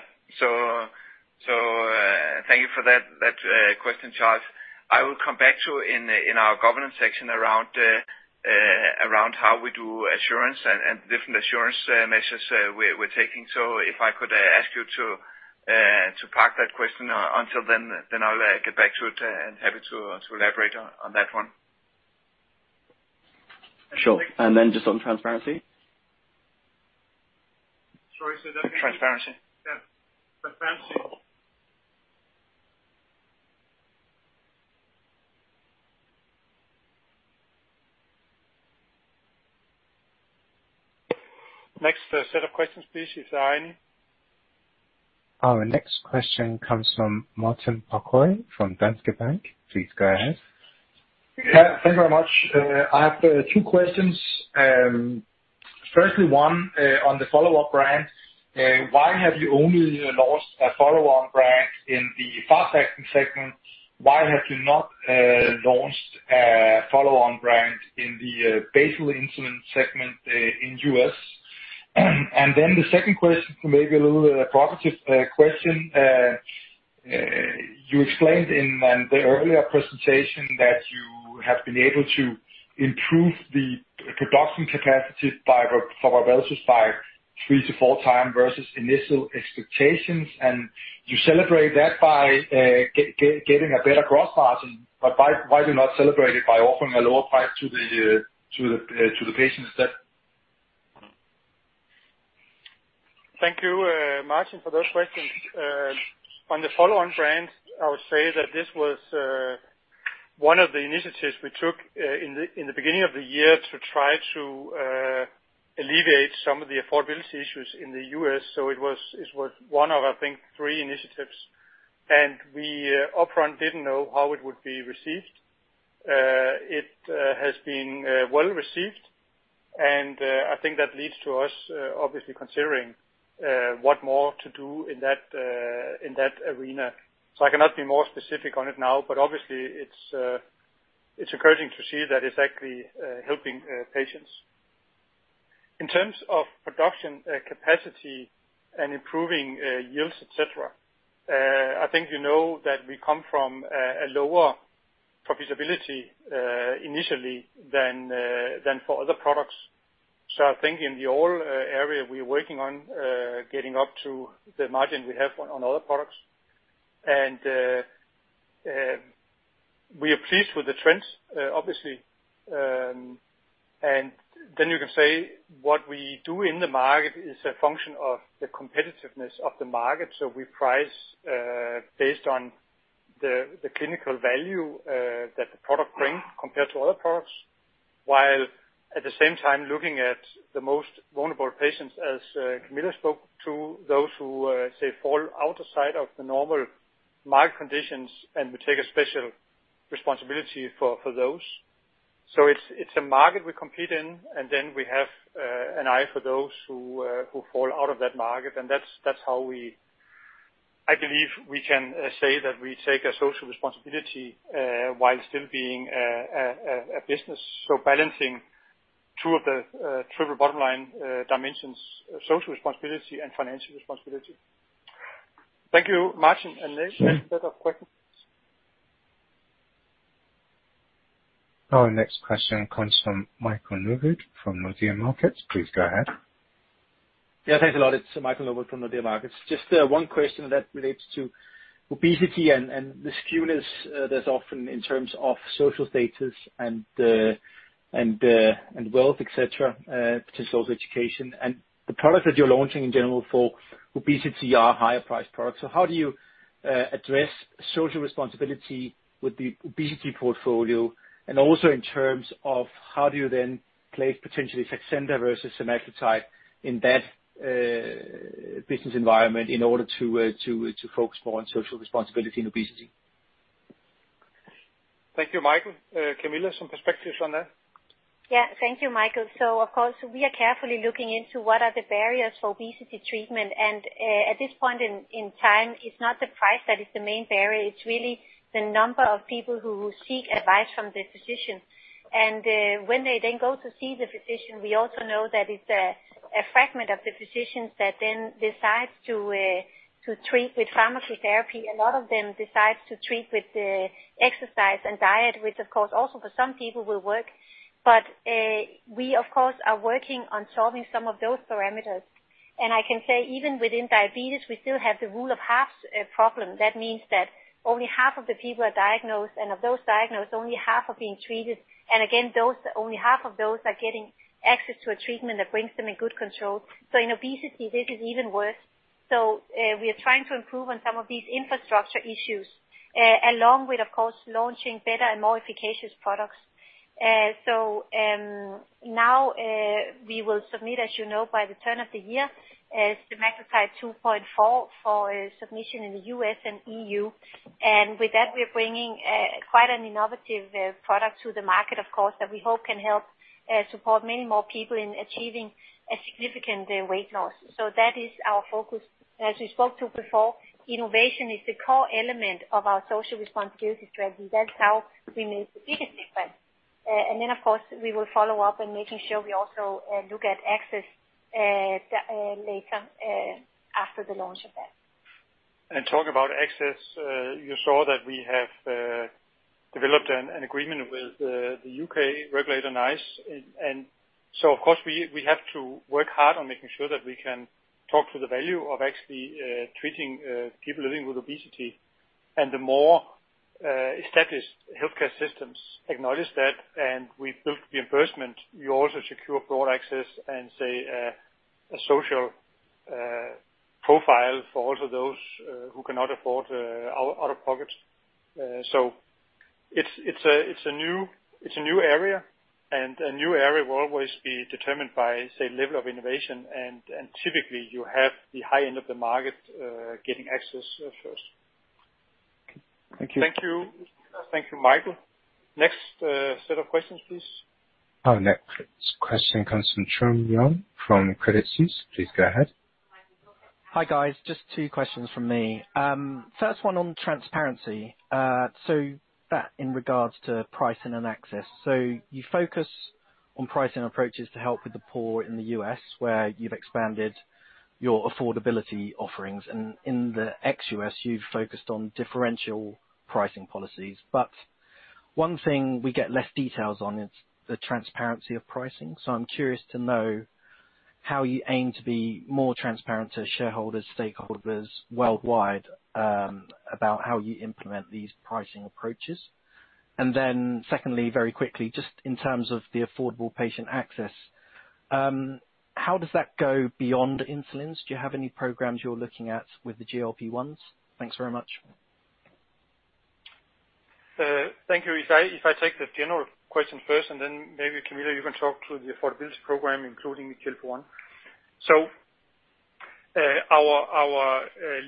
Thank you for that question, Charles. I will come back to in our governance section around how we do assurance and different assurance measures we're taking. If I could ask you to park that question until then, I'll get back to it and happy to elaborate on that one. Sure. Just on transparency. Sorry, say that again. Transparency. Yes. Transparency. Next set of questions, please. Is there any? Our next question comes from Martin Parkhøi from Danske Bank. Please go ahead. Yeah, thank you very much. I have two questions. Firstly, one on the follow-on brand. Why have you only launched a follow-on brand in the fast-acting segment? Why have you not launched a follow-on brand in the basal insulin segment in U.S.? The second question, maybe a little provocative question. You explained in the earlier presentation that you have been able to improve the production capacity for semaglutide by 3x to 4x versus initial expectations, and you celebrate that by getting a better gross margin. Why do you not celebrate it by offering a lower price to the patients? Thank you, Martin, for those questions. On the follow-on brand, I would say that this was one of the initiatives we took in the beginning of the year to try to alleviate some of the affordability issues in the U.S., so it was one of, I think, three initiatives. We upfront didn't know how it would be received. It has been well-received, and I think that leads to us obviously considering what more to do in that arena. I cannot be more specific on it now, but obviously it's encouraging to see that it's actually helping patients. In terms of production capacity and improving yields, et cetera, I think you know that we come from a lower profitability initially than for other products. I think in the whole area, we're working on getting up to the margin we have on other products. We are pleased with the trends, obviously. You can say what we do in the market is a function of the competitiveness of the market. We price based on the clinical value that the product brings compared to other products. While at the same time looking at the most vulnerable patients, as Camilla spoke to, those who, say, fall outside of the normal market conditions, and we take a special responsibility for those. It's a market we compete in, and then we have an eye for those who fall out of that market. That's how, I believe, we can say that we take a social responsibility while still being a business. Balancing two of the Triple Bottom Line dimensions, social responsibility and financial responsibility. Thank you, Martin. Next set of questions. Our next question comes from Michael Novod from Nordea Markets. Please go ahead. Yeah, thanks a lot. It is Michael Novod from Nordea Markets. Just one question that relates to obesity and the skewness that is often in terms of social status and wealth, et cetera, potential education. The products that you are launching in general for obesity are higher priced products. How do you address social responsibility with the obesity portfolio, and also in terms of how do you then place potentially Saxenda® versus semaglutide in that business environment in order to focus more on social responsibility and obesity? Thank you, Michael. Camilla, some perspectives on that? Yeah, thank you, Michael. Of course, we are carefully looking into what are the barriers for obesity treatment. At this point in time, it's not the price that is the main barrier, it's really the number of people who seek advice from the physician. When they then go to see the physician, we also know that it's a fragment of the physicians that then decide to treat with pharmacy therapy. A lot of them decide to treat with exercise and diet, which of course also for some people will work. We, of course, are working on solving some of those parameters. I can say even within diabetes, we still have the rule of halves problem. That means that only half of the people are diagnosed, and of those diagnosed, only half are being treated. Again, only half of those are getting access to a treatment that brings them in good control. In obesity, this is even worse. We are trying to improve on some of these infrastructure issues, along with, of course, launching better and more efficacious products. Now we will submit, as you know, by the turn of the year, semaglutide 2.4 mg for submission in the U.S. and EU. With that, we're bringing quite an innovative product to the market, of course, that we hope can help support many more people in achieving a significant weight loss. That is our focus. As we spoke to before, innovation is the core element of our social responsibility strategy. That's how we make the biggest difference. Then, of course, we will follow up in making sure we also look at access later after the launch of that. Talk about access, you saw that we have developed an agreement with the U.K. regulator, NICE. Of course, we have to work hard on making sure that we can talk to the value of actually treating people living with obesity. The more established healthcare systems acknowledge that, and we build reimbursement, you also secure broad access and, say, a social profile for also those who cannot afford out-of-pocket. It's a new area, and a new area will always be determined by, say, level of innovation. Typically, you have the high end of the market getting access first. Thank you. Thank you. Thank you, Michael. Next set of questions, please. Our next question comes from Trung Huynh from Credit Suisse. Please go ahead. Hi, guys. Just two questions from me. First one on transparency, in regards to pricing and access. You focus on pricing approaches to help with the poor in the U.S., where you've expanded your affordability offerings. In the ex-U.S., you've focused on differential pricing policies. One thing we get less details on is the transparency of pricing. I'm curious to know how you aim to be more transparent to shareholders, stakeholders worldwide about how you implement these pricing approaches. Secondly, very quickly, just in terms of the affordable patient access? How does that go beyond insulins? Do you have any programs you're looking at with the GLP-1s? Thanks very much. Thank you. If I take the general question first, and then maybe Camilla, you can talk to the affordability program, including the GLP-1. Our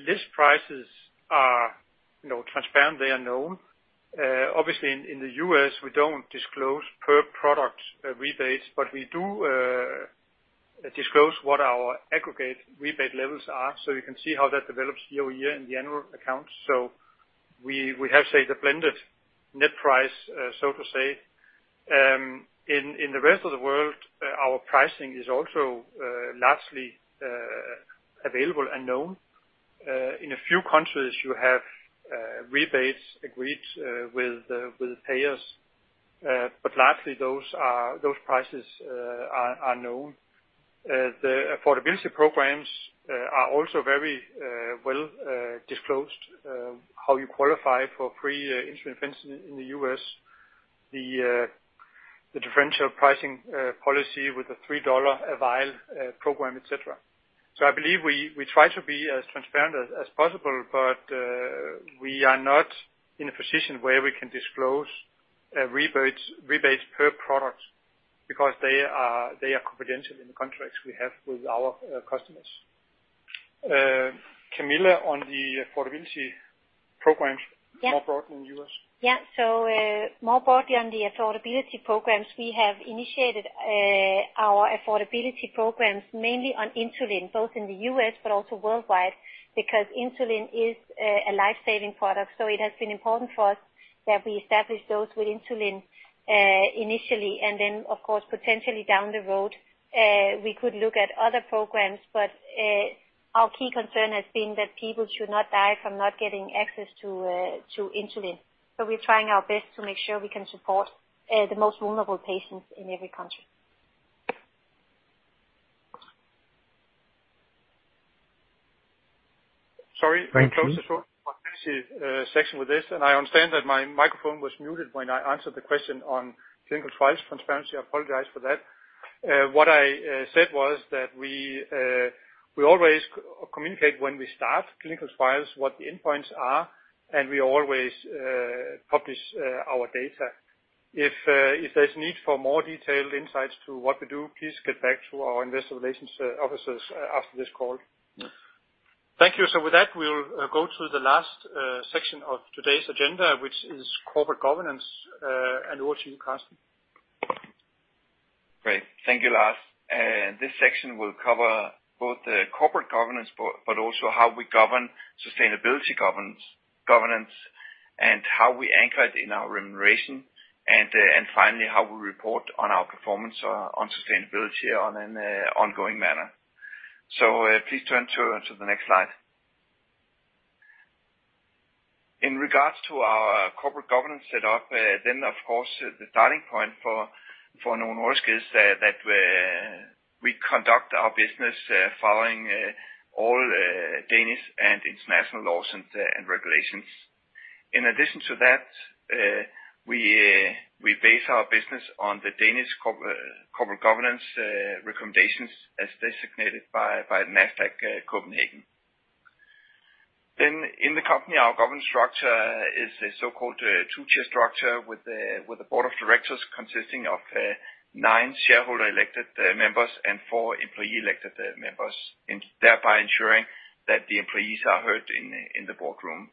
list prices are transparent. They are known. Obviously, in the U.S., we don't disclose per product rebates, but we do disclose what our aggregate rebate levels are, so you can see how that develops year-over-year in the annual accounts. We have, say, the blended net price, so to say. In the rest of the world, our pricing is also largely available and known. In a few countries, you have rebates agreed with payers. Largely, those prices are known. The affordability programs are also very well disclosed, how you qualify for free insulin in the U.S., the differential pricing policy with a $3 a vial program, et cetera. I believe we try to be as transparent as possible. We are not in a position where we can disclose rebates per product because they are confidential in the contracts we have with our customers. Camilla, on the affordability programs more broadly in the U.S. More broadly on the affordability programs, we have initiated our affordability programs mainly on insulin, both in the U.S. but also worldwide, because insulin is a life-saving product. It has been important for us that we establish those with insulin initially, and then of course, potentially down the road, we could look at other programs. Our key concern has been that people should not die from not getting access to insulin. We're trying our best to make sure we can support the most vulnerable patients in every country. Sorry, let me close the affordability section with this, and I understand that my microphone was muted when I answered the question on clinical trials transparency. I apologize for that. What I said was that we always communicate when we start clinical trials, what the endpoints are, and we always publish our data. If there's need for more detailed insights to what we do, please get back to our investor relations officers after this call. Thank you. With that, we'll go to the last section of today's agenda, which is corporate governance. Over to you, Karsten. Great. Thank you, Lars. This section will cover both the corporate governance also how we govern sustainability governance and how we anchor it in our remuneration, finally, how we report on our performance on sustainability on an ongoing manner. Please turn to the next slide. In regards to our corporate governance set up, of course, the starting point for Novo Nordisk is that we conduct our business following all Danish and international laws and regulations. In addition to that, we base our business on the Danish corporate governance recommendations as designated by Nasdaq Copenhagen. In the company, our governance structure is a so-called 2-Tier structure with a board of directors consisting of nine shareholder-elected members and four employee-elected members, thereby ensuring that the employees are heard in the boardroom.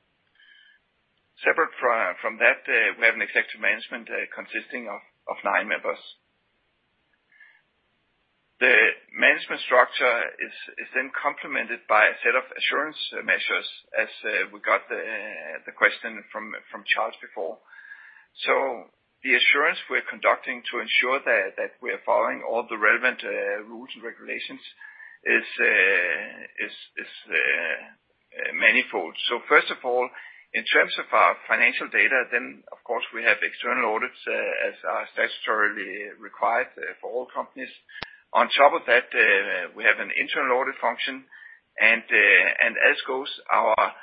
Separate from that, we have an executive management consisting of nine members. The management structure is then complemented by a set of assurance measures as we got the question from Charles before. The assurance we're conducting to ensure that we are following all the relevant rules and regulations is manifold. First of all, in terms of our financial data, then of course, we have external audits as are statutorily required for all companies. On top of that, we have an internal audit function, and as goes our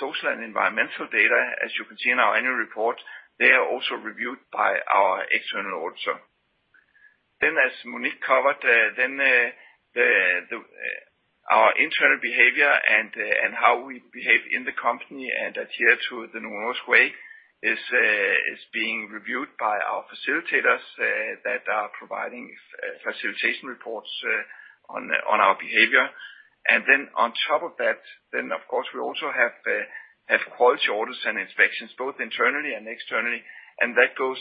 social and environmental data, as you can see in our annual report, they are also reviewed by our external auditor. As Monique covered, our internal behavior and how we behave in the company and adhere to the Novo Nordisk Way is being reviewed by our facilitators that are providing facilitation reports on our behavior. On top of that, we also have quality audits and inspections, both internally and externally, and that goes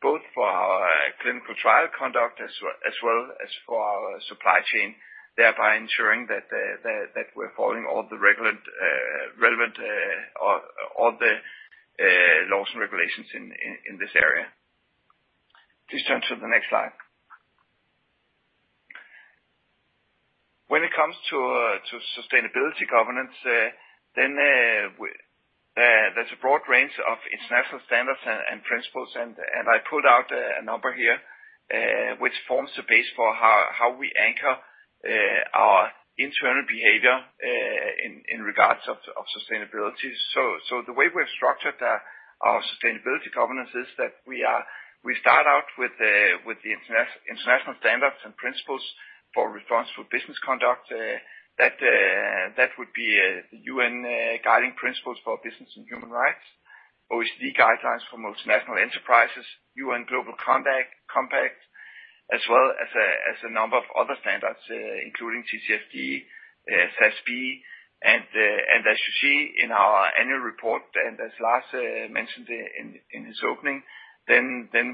both for our clinical trial conduct as well as for our supply chain, thereby ensuring that we are following all the relevant laws and regulations in this area. Please turn to the next slide. When it comes to sustainability governance, there is a broad range of international standards and principles, and I put out a number here which forms the base for how we anchor our internal behavior in regards of sustainability. The way we have structured our sustainability governance is that we start out with the international standards and principles for responsible business conduct, that would be UN Guiding Principles on Business and Human Rights, OECD Guidelines for Multinational Enterprises, UN Global Compact, as well as a number of other standards including TCFD, SASB. As you see in our annual report, and as Lars mentioned in his opening,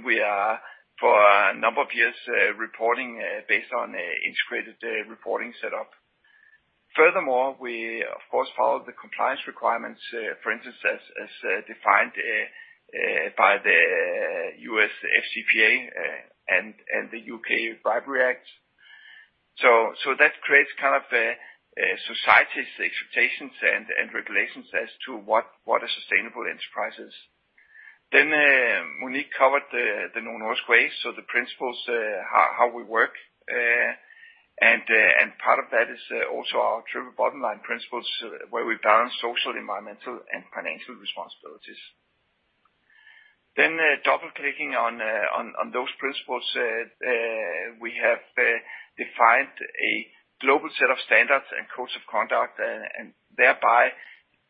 we are for a number of years, reporting based on integrated reporting setup. Furthermore, we of course follow the compliance requirements, for instance, as defined by the U.S. FCPA and the U.K. Bribery Act. That creates kind of a society's expectations and regulations as to what a sustainable enterprise is. Monique covered the Novo Nordisk Way, so the principles, how we work, and part of that is also our Triple Bottom Line principles, where we balance social, environmental, and financial responsibilities. Double-clicking on those principles, we have defined a global set of standards and codes of conduct, and thereby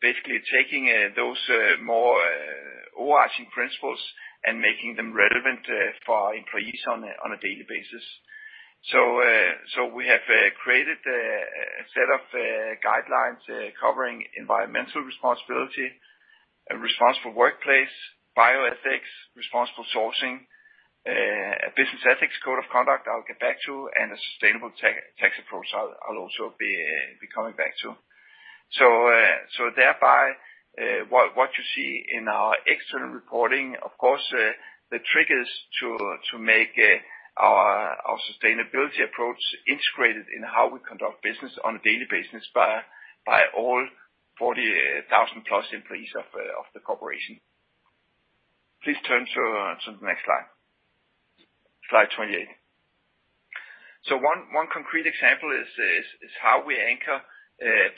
basically taking those more overarching principles and making them relevant for our employees on a daily basis. We have created a set of guidelines covering environmental responsibility, a responsible workplace, bioethics, responsible sourcing, a business ethics code of conduct I will get back to, and a sustainable tax approach I will also be coming back to. Thereby, what you see in our external reporting, of course, the trigger is to make our sustainability approach integrated in how we conduct business on a daily basis by all 40,000 plus employees of the corporation. Please turn to the next slide. Slide 28. One concrete example is how we anchor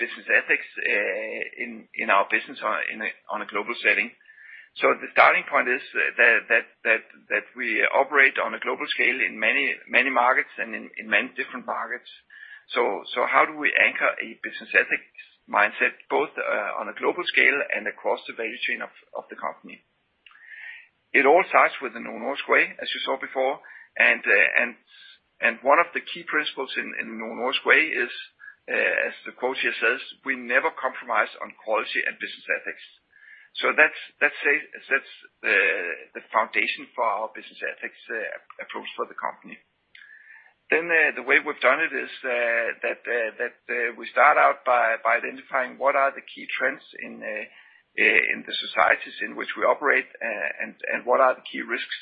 business ethics in our business on a global setting. The starting point is that we operate on a global scale in many markets and in many different markets. How do we anchor a business ethics mindset both on a global scale and across the value chain of the company? It all starts with the Novo Nordisk Way, as you saw before, and one of the key principles in Novo Nordisk Way is, as the quote here says, "We never compromise on quality and business ethics." That's the foundation for our business ethics approach for the company. The way we've done it is that we start out by identifying what are the key trends in the societies in which we operate, and what are the key risks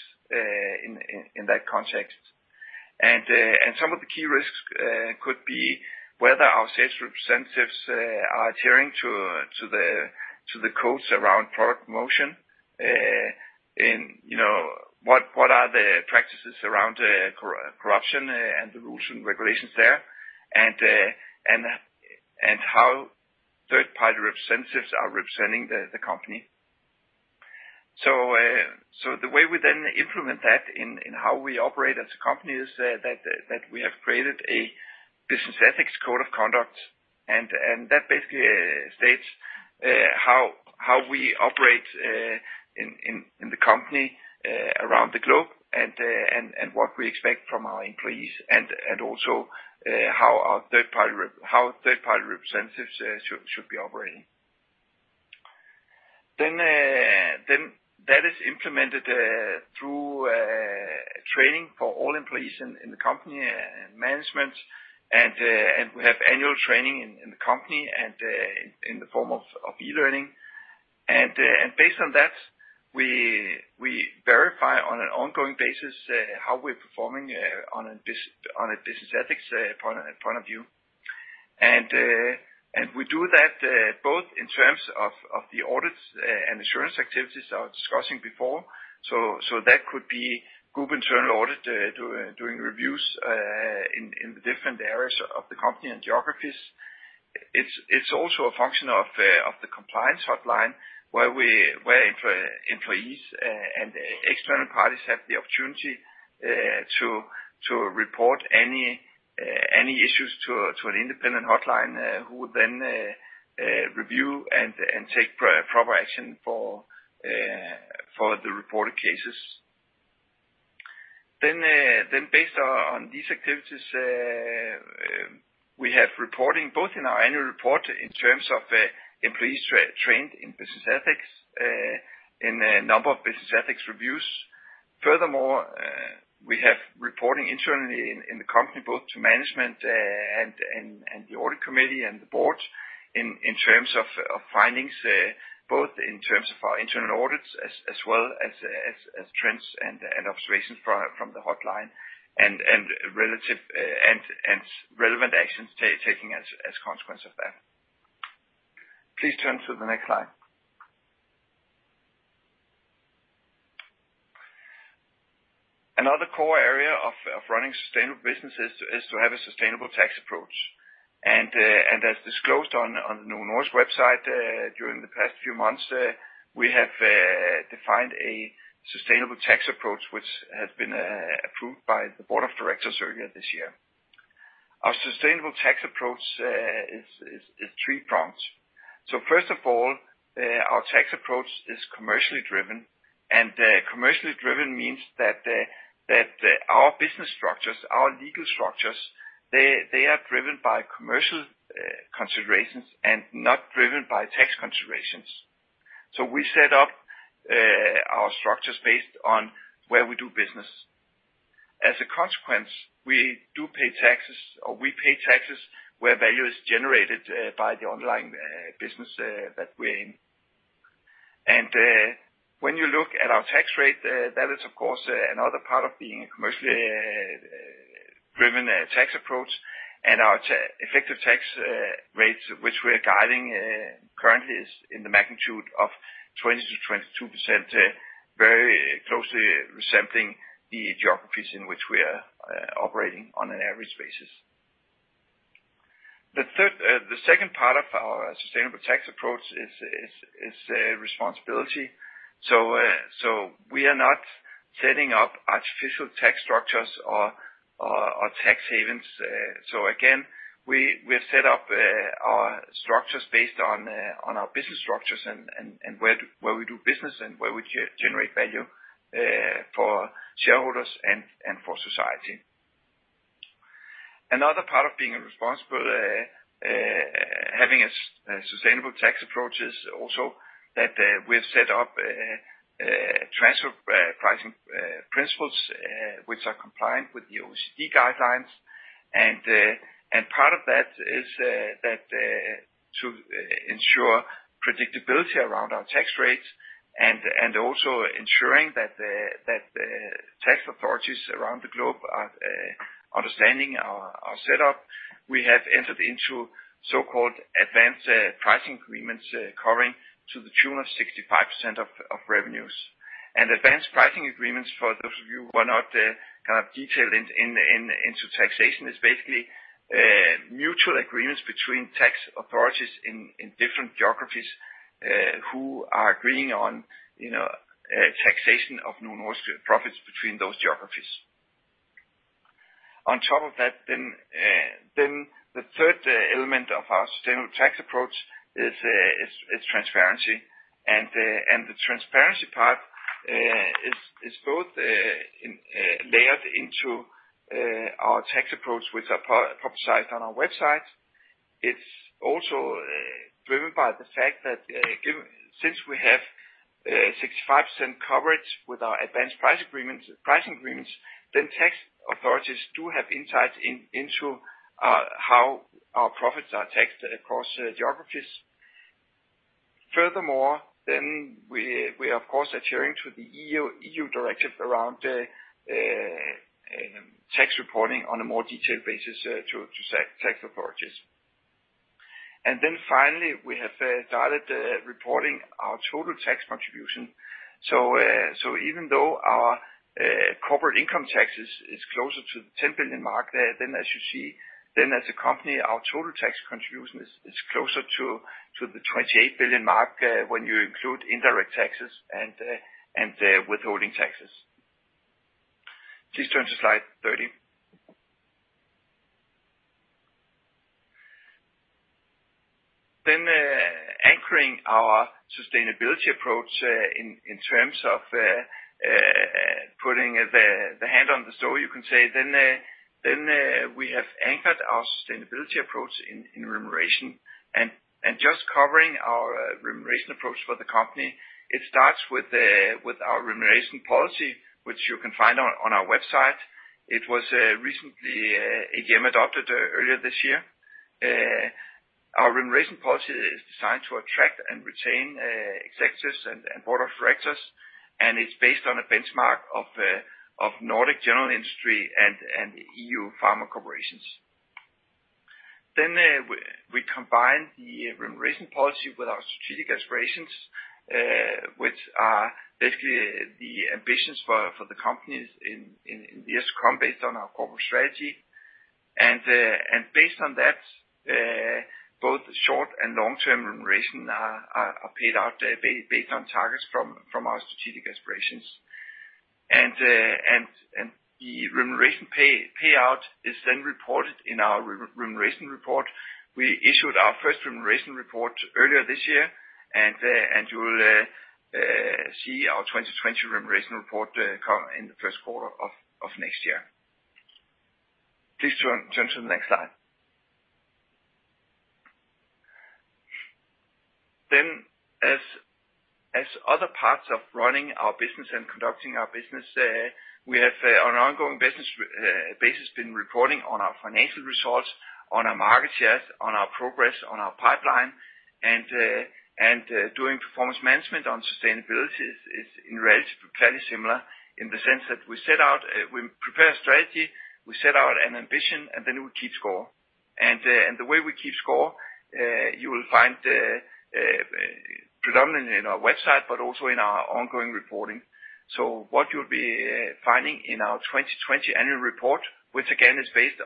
in that context. Some of the key risks could be whether our sales representatives are adhering to the codes around product promotion. What are the practices around corruption and the rules and regulations there, and how third-party representatives are representing the company. The way we then implement that in how we operate as a company is that we have created a business ethics code of conduct, and that basically states how we operate in the company around the globe, and what we expect from our employees, and also how third-party representatives should be operating. That is implemented through training for all employees in the company and management. We have annual training in the company and in the form of e-learning. Based on that, we verify on an ongoing basis how we're performing on a business ethics point of view. We do that both in terms of the audits and assurance activities I was discussing before. That could be group internal audit doing reviews in the different areas of the company and geographies. It is also a function of the compliance hotline where employees and external parties have the opportunity to report any issues to an independent hotline, who would then review and take proper action for the reported cases. Based on these activities, we have reporting both in our annual report in terms of employees trained in business ethics in a number of business ethics reviews. We have reporting internally in the company, both to management and the audit committee and the board in terms of findings, both in terms of our internal audits as well as trends and observations from the hotline, and relevant actions taken as consequence of that. Please turn to the next slide. Another core area of running sustainable businesses is to have a sustainable tax approach. As disclosed on Novo Nordisk website during the past few months, we have defined a sustainable tax approach, which has been approved by the board of directors earlier this year. Our sustainable tax approach is three prongs. First of all, our tax approach is commercially driven. Commercially driven means that our business structures, our legal structures, they are driven by commercial considerations and not driven by tax considerations. We set up our structures based on where we do business. As a consequence, we do pay taxes, or we pay taxes where value is generated by the underlying business that we're in. When you look at our tax rate, that is, of course, another part of being a commercially driven tax approach, and our effective tax rates, which we are guiding currently, is in the magnitude of 20%-22%, very closely resembling the geographies in which we are operating on an average basis. The second part of our sustainable tax approach is responsibility. We are not setting up artificial tax structures or tax havens. We have set up our structures based on our business structures and where we do business and where we generate value for shareholders and for society. Another part of being responsible, having a sustainable tax approach is also that we've set up transfer pricing principles, which are compliant with the OECD guidelines. Part of that is to ensure predictability around our tax rates and also ensuring that the tax authorities around the globe are understanding our setup. We have entered into so-called Advance Pricing Agreements covering to the tune of 65% of revenues. Advance Pricing Agreements, for those of you who are not detailed into taxation, is basically mutual agreements between tax authorities in different geographies who are agreeing on taxation of Novo Nordisk profits between those geographies. On top of that, the third element of our sustainable tax approach is transparency. The transparency part is both layered into our tax approach, which are publicized on our website. It's also driven by the fact that since we have 65% coverage with our Advance Pricing Agreements, tax authorities do have insights into how our profits are taxed across geographies. Furthermore, we of course are adhering to the EU directive around tax reporting on a more detailed basis to tax authorities. Finally, we have started reporting our total tax contribution. Even though our corporate income tax is closer to the 10 billion mark as you see, as a company, our total tax contribution is closer to the 28 billion mark when you include indirect taxes and the withholding taxes. Please turn to slide 30. Anchoring our sustainability approach in terms of putting the hand on the stove, you can say, we have anchored our sustainability approach in remuneration. Just covering our remuneration approach for the company, it starts with our remuneration policy, which you can find on our website. It was recently again adopted earlier this year. Our remuneration policy is designed to attract and retain executives and Board of Directors, it's based on a benchmark of Nordic general industry and EU pharma corporations. We combine the remuneration policy with our Strategic Aspirations, which are basically the ambitions for the companies in years to come based on our corporate strategy. Based on that, both short and long-term remuneration are paid out based on targets from our Strategic Aspirations. The remuneration payout is then reported in our remuneration report. We issued our first remuneration report earlier this year, and you will see our 2020 remuneration report come in the first quarter of next year. Please turn to the next slide. As other parts of running our business and conducting our business, we have on an ongoing basis been reporting on our financial results, on our market shares, on our progress, on our pipeline, and doing performance management on sustainability is in relative fairly similar in the sense that we prepare a strategy, we set out an ambition, and then we keep score. The way we keep score, you will find predominantly in our website, but also in our ongoing reporting. What you'll be finding in our 2020 annual report, which again is based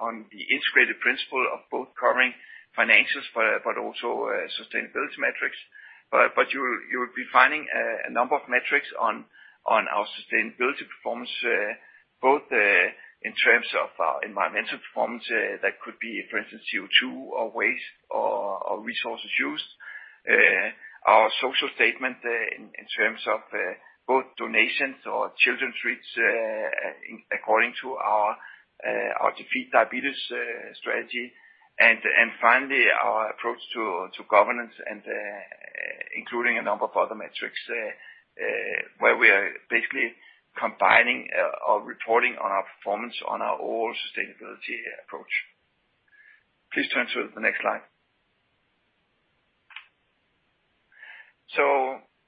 on the integrated principle of both covering finances, but also sustainability metrics. You'll be finding a number of metrics on our sustainability performance, both in terms of our environmental performance, that could be, for instance, CO2, or waste, or resources used. Our social statement in terms of both donations or children's treats, according to our Defeat Diabetes strategy. Finally, our approach to governance and including a number of other metrics, where we are basically combining our reporting on our performance on our all sustainability approach. Please turn to the next slide.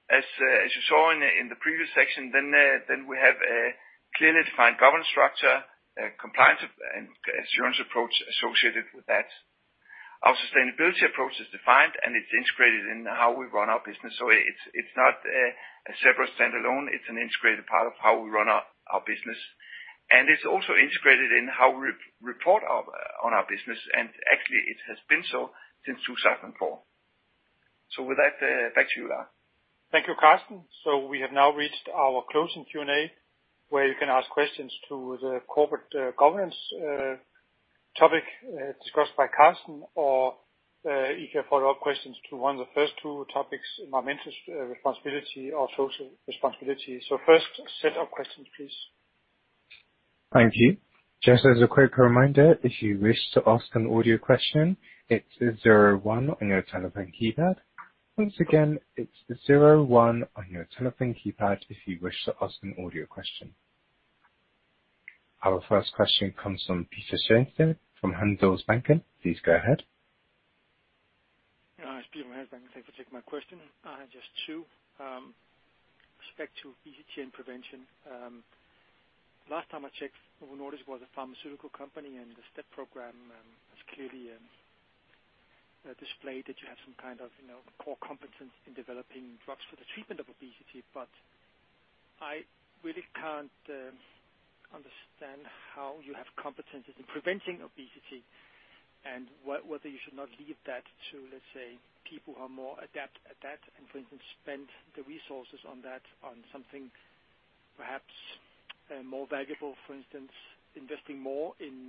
As you saw in the previous section, then we have a clearly defined governance structure, compliance and assurance approach associated with that. Our sustainability approach is defined, and it's integrated in how we run our business. It's not a separate standalone, it's an integrated part of how we run our business, and it's also integrated in how we report on our business. Actually, it has been so since 2004. With that, back to you, Lars. Thank you, Karsten. We have now reached our closing Q&A where you can ask questions to the corporate governance topic discussed by Carsten, or you can follow up questions to one of the first two topics, environmental responsibility or social responsibility. First set of questions, please. Thank you. Just as a quick reminder, if you wish to ask an audio question, it is zero one on your telephone keypad. Once again, it is zero one on your telephone keypad if you wish to ask an audio question. Our first question comes from Peter Sørensen from Handelsbanken. Please go ahead. Hi, it's Peter from Handelsbanken. Thank you for taking my question. I have just two. Respect to obesity and prevention. Last time I checked, Novo Nordisk was a pharmaceutical company. The STEP program has clearly displayed that you have some kind of core competence in developing drugs for the treatment of obesity. I really can't understand how you have competencies in preventing obesity and whether you should not leave that to, let's say, people who are more adept at that and, for instance, spend the resources on that on something perhaps more valuable, for instance, investing more in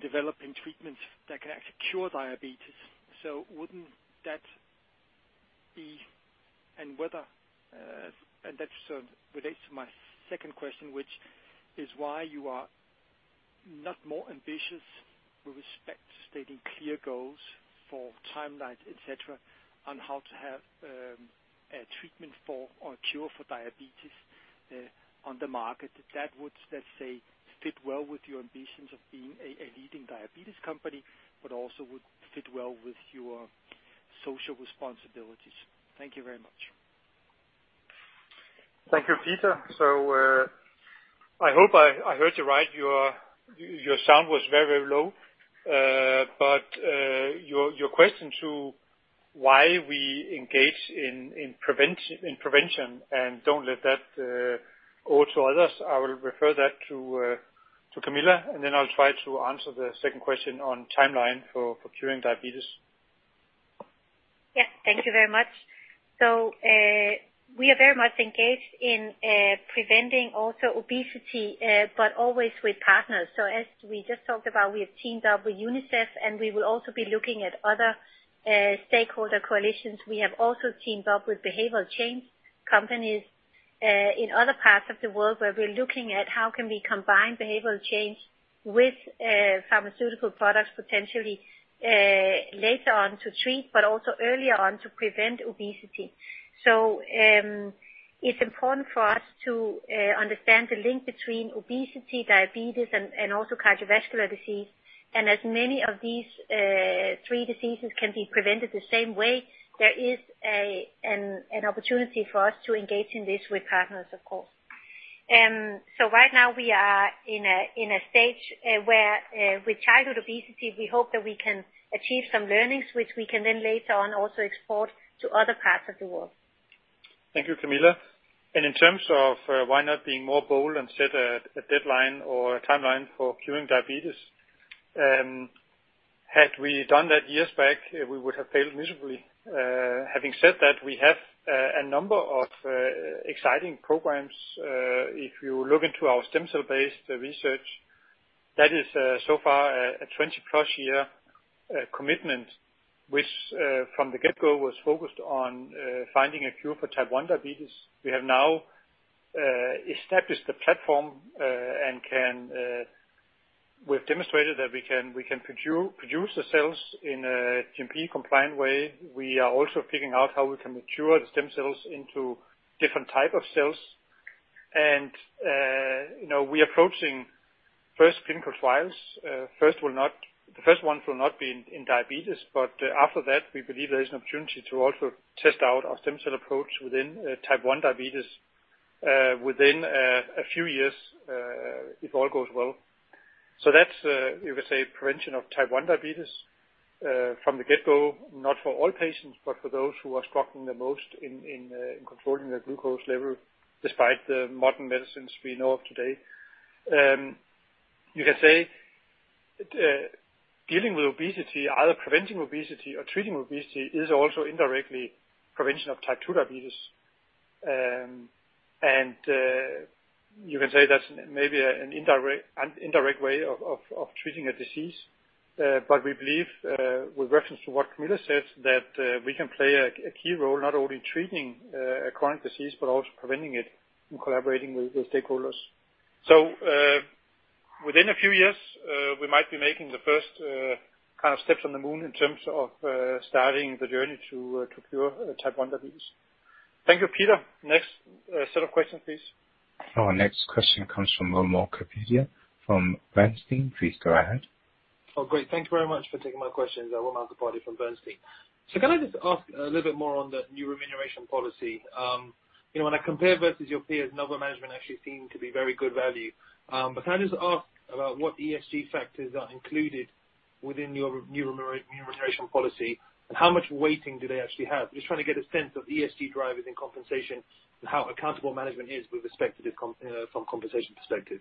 developing treatments that can actually cure diabetes. Wouldn't that be, and whether, and that relates to my second question, which is why you are not more ambitious with respect to stating clear goals for timelines, et cetera, on how to have a treatment for or a cure for diabetes on the market that would, let's say, fit well with your ambitions of being a leading diabetes company, but also would fit well with your social responsibilities? Thank you very much. Thank you, Peter. I hope I heard you right. Your sound was very low. Your question to why we engage in prevention and don't let that over to others, I will refer that to Camilla, and then I'll try to answer the second question on timeline for curing diabetes. Yes. Thank you very much. We are very much engaged in preventing also obesity, but always with partners. As we just talked about, we have teamed up with UNICEF, and we will also be looking at other stakeholder coalitions. We have also teamed up with behavioral change companies in other parts of the world where we are looking at how can we combine behavioral change with pharmaceutical products potentially later on to treat, but also earlier on to prevent obesity. It is important for us to understand the link between obesity, diabetes, and also cardiovascular disease. As many of these three diseases can be prevented the same way, there is an opportunity for us to engage in this with partners, of course. Right now we are in a stage where with childhood obesity, we hope that we can achieve some learnings which we can then later on also export to other parts of the world. Thank you, Camilla. In terms of why not being more bold and set a deadline or a timeline for curing diabetes, had we done that years back, we would have failed miserably. Having said that, we have a number of exciting programs. If you look into our stem cell-based research, that is so far a 20-plus year commitment, which from the get-go was focused on finding a cure for Type 1 diabetes. We have now established the platform, and we've demonstrated that we can produce the cells in a GMP-compliant way. We are also figuring out how we can mature the stem cells into different type of cells. We are approaching first clinical trials. The first one will not be in diabetes, but after that, we believe there is an opportunity to also test out our stem cell approach within Type 1 diabetes within a few years if all goes well. That's, you could say, prevention of Type 1 diabetes from the get-go, not for all patients, but for those who are struggling the most in controlling their glucose level, despite the modern medicines we know of today. You can say, dealing with obesity, either preventing obesity or treating obesity is also indirectly prevention of Type 2 diabetes. You can say that's maybe an indirect way of treating a disease. We believe, with reference to what Camilla said, that we can play a key role not only in treating a chronic disease but also preventing it and collaborating with the stakeholders. Within a few years, we might be making the first kind of steps on the moon in terms of starting the journey to cure Type 1 diabetes. Thank you, Peter. Next set of questions, please. Our next question comes from Wimal Kapadia from Bernstein. Please go ahead. Oh, great. Thank you very much for taking my questions. Wimal Kapadia from Bernstein. Can I just ask a little bit more on the new remuneration policy? When I compare versus your peers, Novo management actually seem to be very good value. Can I just ask about what ESG factors are included within your new remuneration policy, and how much weighting do they actually have? Just trying to get a sense of ESG drivers in compensation and how accountable management is from compensation perspective.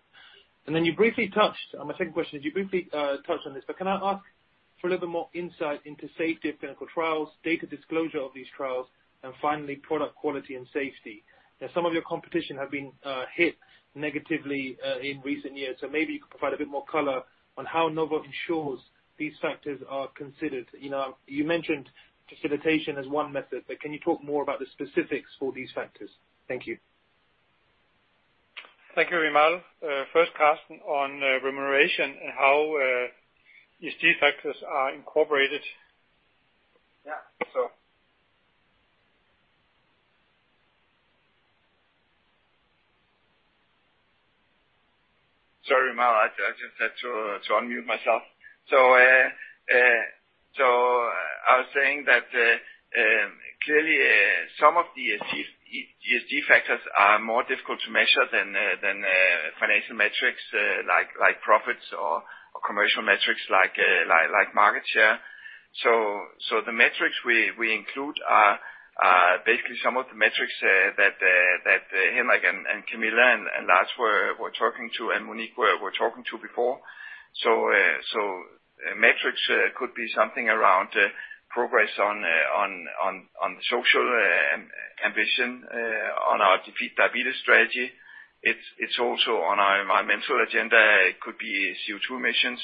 My second question is, you briefly touched on this, but can I ask for a little bit more insight into safety of clinical trials, data disclosure of these trials, and finally, product quality and safety? Some of your competition have been hit negatively in recent years, so maybe you could provide a bit more color on how Novo ensures these factors are considered. You mentioned facilitation as one method, but can you talk more about the specifics for these factors? Thank you. Thank you, Wimal. Karsten, on remuneration and how ESG factors are incorporated. Sorry, Wimal. I just had to unmute myself. I was saying that clearly some of the ESG factors are more difficult to measure than financial metrics like profits or commercial metrics like market share. The metrics we include are basically some of the metrics that Henrik and Camilla and Lars were talking to, and Monique were talking to before. Metrics could be something around progress on social ambition, on our Defeat Diabetes strategy. It is also on our environmental agenda, it could be CO2 emissions.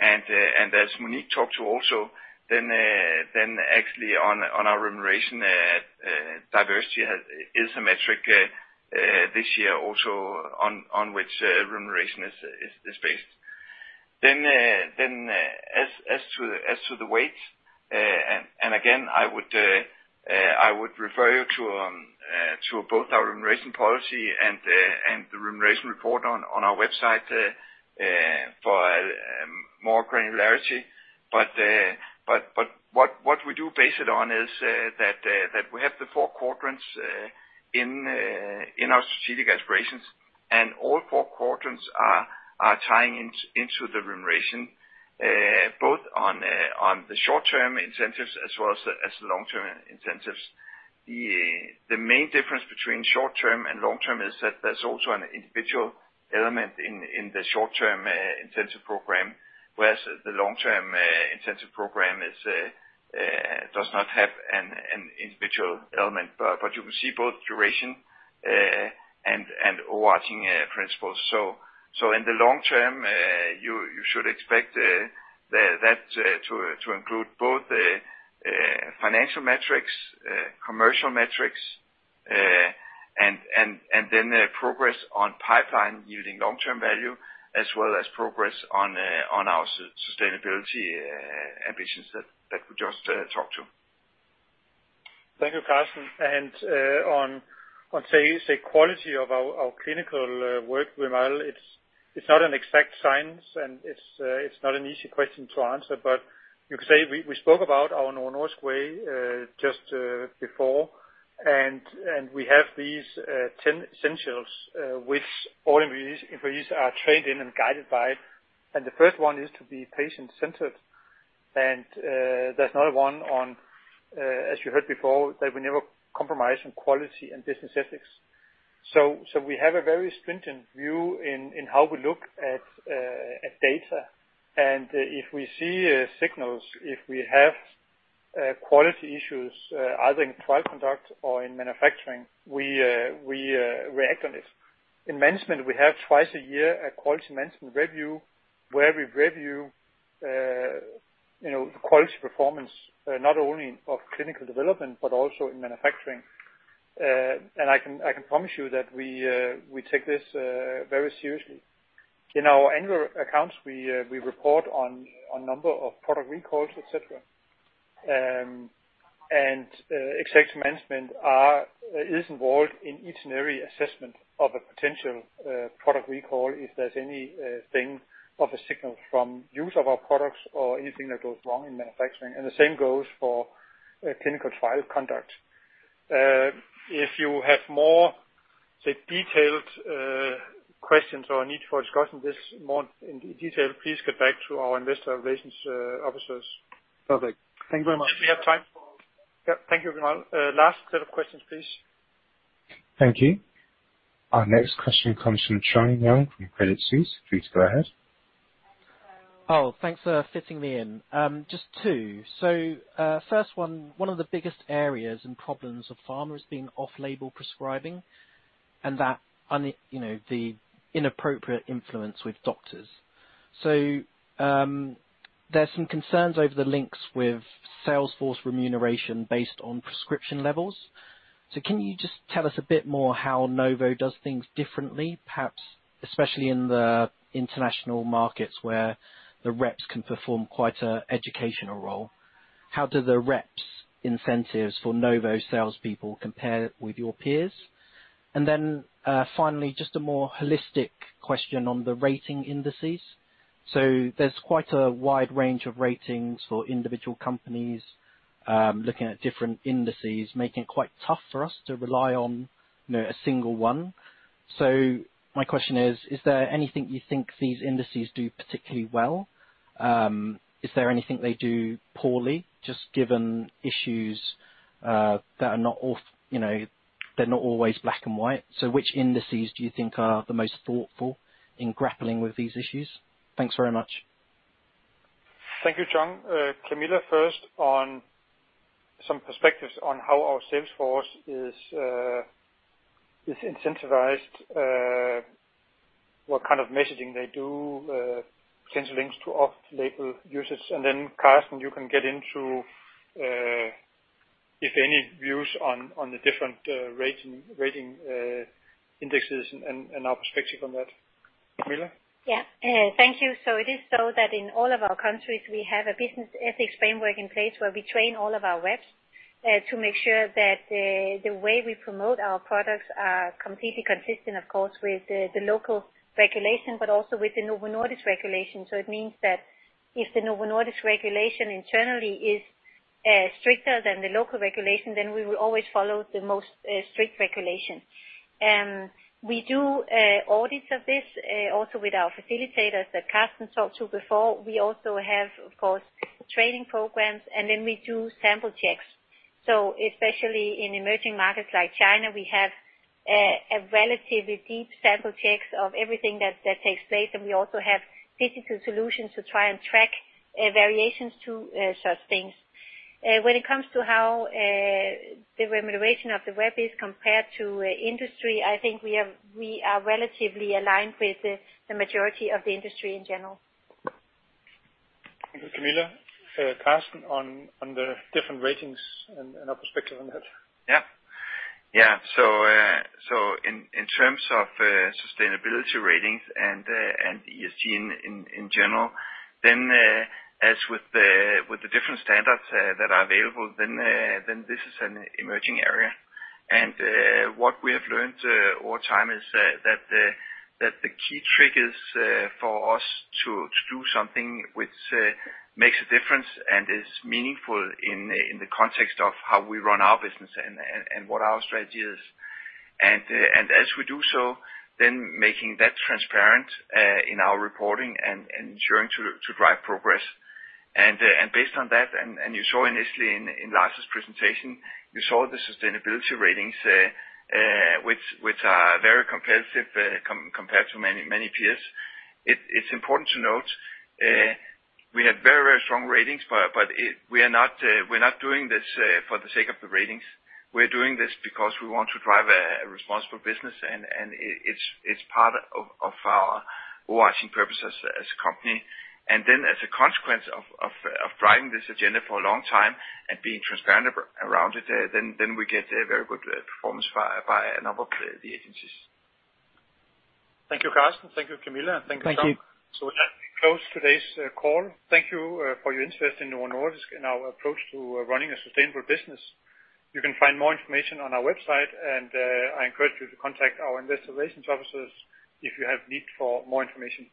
As Monique talked to also, then actually on our remuneration, diversity is a metric this year also on which remuneration is based. As to the weight, and again, I would refer you to both our remuneration policy and the remuneration report on our website for more granularity. What we do base it on is that we have the four quadrants in our Strategic Aspirations, and all four quadrants are tying into the remuneration both on the short-term incentives as well as the long-term incentives. The main difference between short-term and long-term is that there's also an individual element in the short-term incentive program, whereas the long-term incentive program does not have an individual element. You can see both duration and weighting principles. In the long term, you should expect that to include both financial metrics, commercial metrics, and then progress on pipeline yielding long-term value as well as progress on our sustainability ambitions that we just talked to. Thank you, Karsten. On, say, quality of our clinical work, Wimal, it's not an exact science and it's not an easy question to answer. You could say we spoke about our Novo Nordisk Way just before, we have these 10 essentials which all employees are trained in and guided by. The first one is to be patient-centered. There's another one on, as you heard before, that we never compromise on quality and business ethics. We have a very stringent view in how we look at data. If we see signals, if we have quality issues either in trial conduct or in manufacturing, we act on it. In management, we have twice a year a quality management review where we review the quality performance, not only of clinical development but also in manufacturing. I can promise you that we take this very seriously. In our annual accounts, we report on number of product recalls, et cetera. Executive management is involved in each and every assessment of a potential product recall if there's anything of a signal from use of our products or anything that goes wrong in manufacturing. The same goes for clinical trial conduct. If you have more detailed questions or a need for discussing this more in detail, please get back to our investor relations officers. Perfect. Thank you very much. Thank you very much. Last set of questions, please. Thank you. Our next question comes from Trung Huynh from Credit Suisse. Please go ahead. Oh, thanks for fitting me in. Just two. First one of the biggest areas and problems of pharma is being off-label prescribing and the inappropriate influence with doctors. There's some concerns over the links with sales force remuneration based on prescription levels. Can you just tell us a bit more how Novo does things differently, perhaps especially in the international markets where the reps can perform quite an educational role? How do the reps incentives for Novo salespeople compare with your peers? Finally, just a more holistic question on the rating indices. There's quite a wide range of ratings for individual companies, looking at different indices, making it quite tough for us to rely on a single one. My question is. Is there anything you think these indices do particularly well? Is there anything they do poorly, just given issues that are not always black and white? Which indices do you think are the most thoughtful in grappling with these issues? Thanks very much. Thank you, Trung. Camilla, first on some perspectives on how our sales force is incentivized, what kind of messaging they do, potential links to off-label usage. Then, Karsten, you can get into if any views on the different rating indices and our perspective on that. Camilla? Yeah. Thank you. It is so that in all of our countries, we have a business ethics framework in place where we train all of our reps to make sure that the way we promote our products are completely consistent, of course, with the local regulation, but also with the Novo Nordisk regulation. It means that if the Novo Nordisk regulation internally is stricter than the local regulation, then we will always follow the most strict regulation. We do audits of this also with our facilitators that Karsten talked to before. We also have, of course, training programs, then we do sample checks. Especially in emerging markets like China, we have a relatively deep sample checks of everything that takes place, and we also have digital solutions to try and track variations to such things. When it comes to how the remuneration of the rep is compared to industry, I think we are relatively aligned with the majority of the industry in general. Thank you, Camilla. Karsten, on the different ratings and our perspective on that. In terms of sustainability ratings and ESG in general, as with the different standards that are available, this is an emerging area. What we have learned over time is that the key triggers for us to do something which makes a difference and is meaningful in the context of how we run our business and what our strategy is. As we do so, making that transparent in our reporting and ensuring to drive progress. Based on that, and you saw initially in Lars' presentation, you saw the sustainability ratings, which are very competitive compared to many peers. It's important to note we have very strong ratings, but we're not doing this for the sake of the ratings. We're doing this because we want to drive a responsible business, and it's part of our overarching purpose as a company. As a consequence of driving this agenda for a long time and being transparent around it, then we get a very good performance by a number of the agencies. Thank you, Karsten. Thank you, Camilla, and thank you, Trung. Thank you. With that, we close today's call. Thank you for your interest in Novo Nordisk and our approach to running a sustainable business. You can find more information on our website, and I encourage you to contact our investor relations officers if you have need for more information.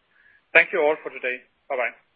Thank you all for today. Bye-bye.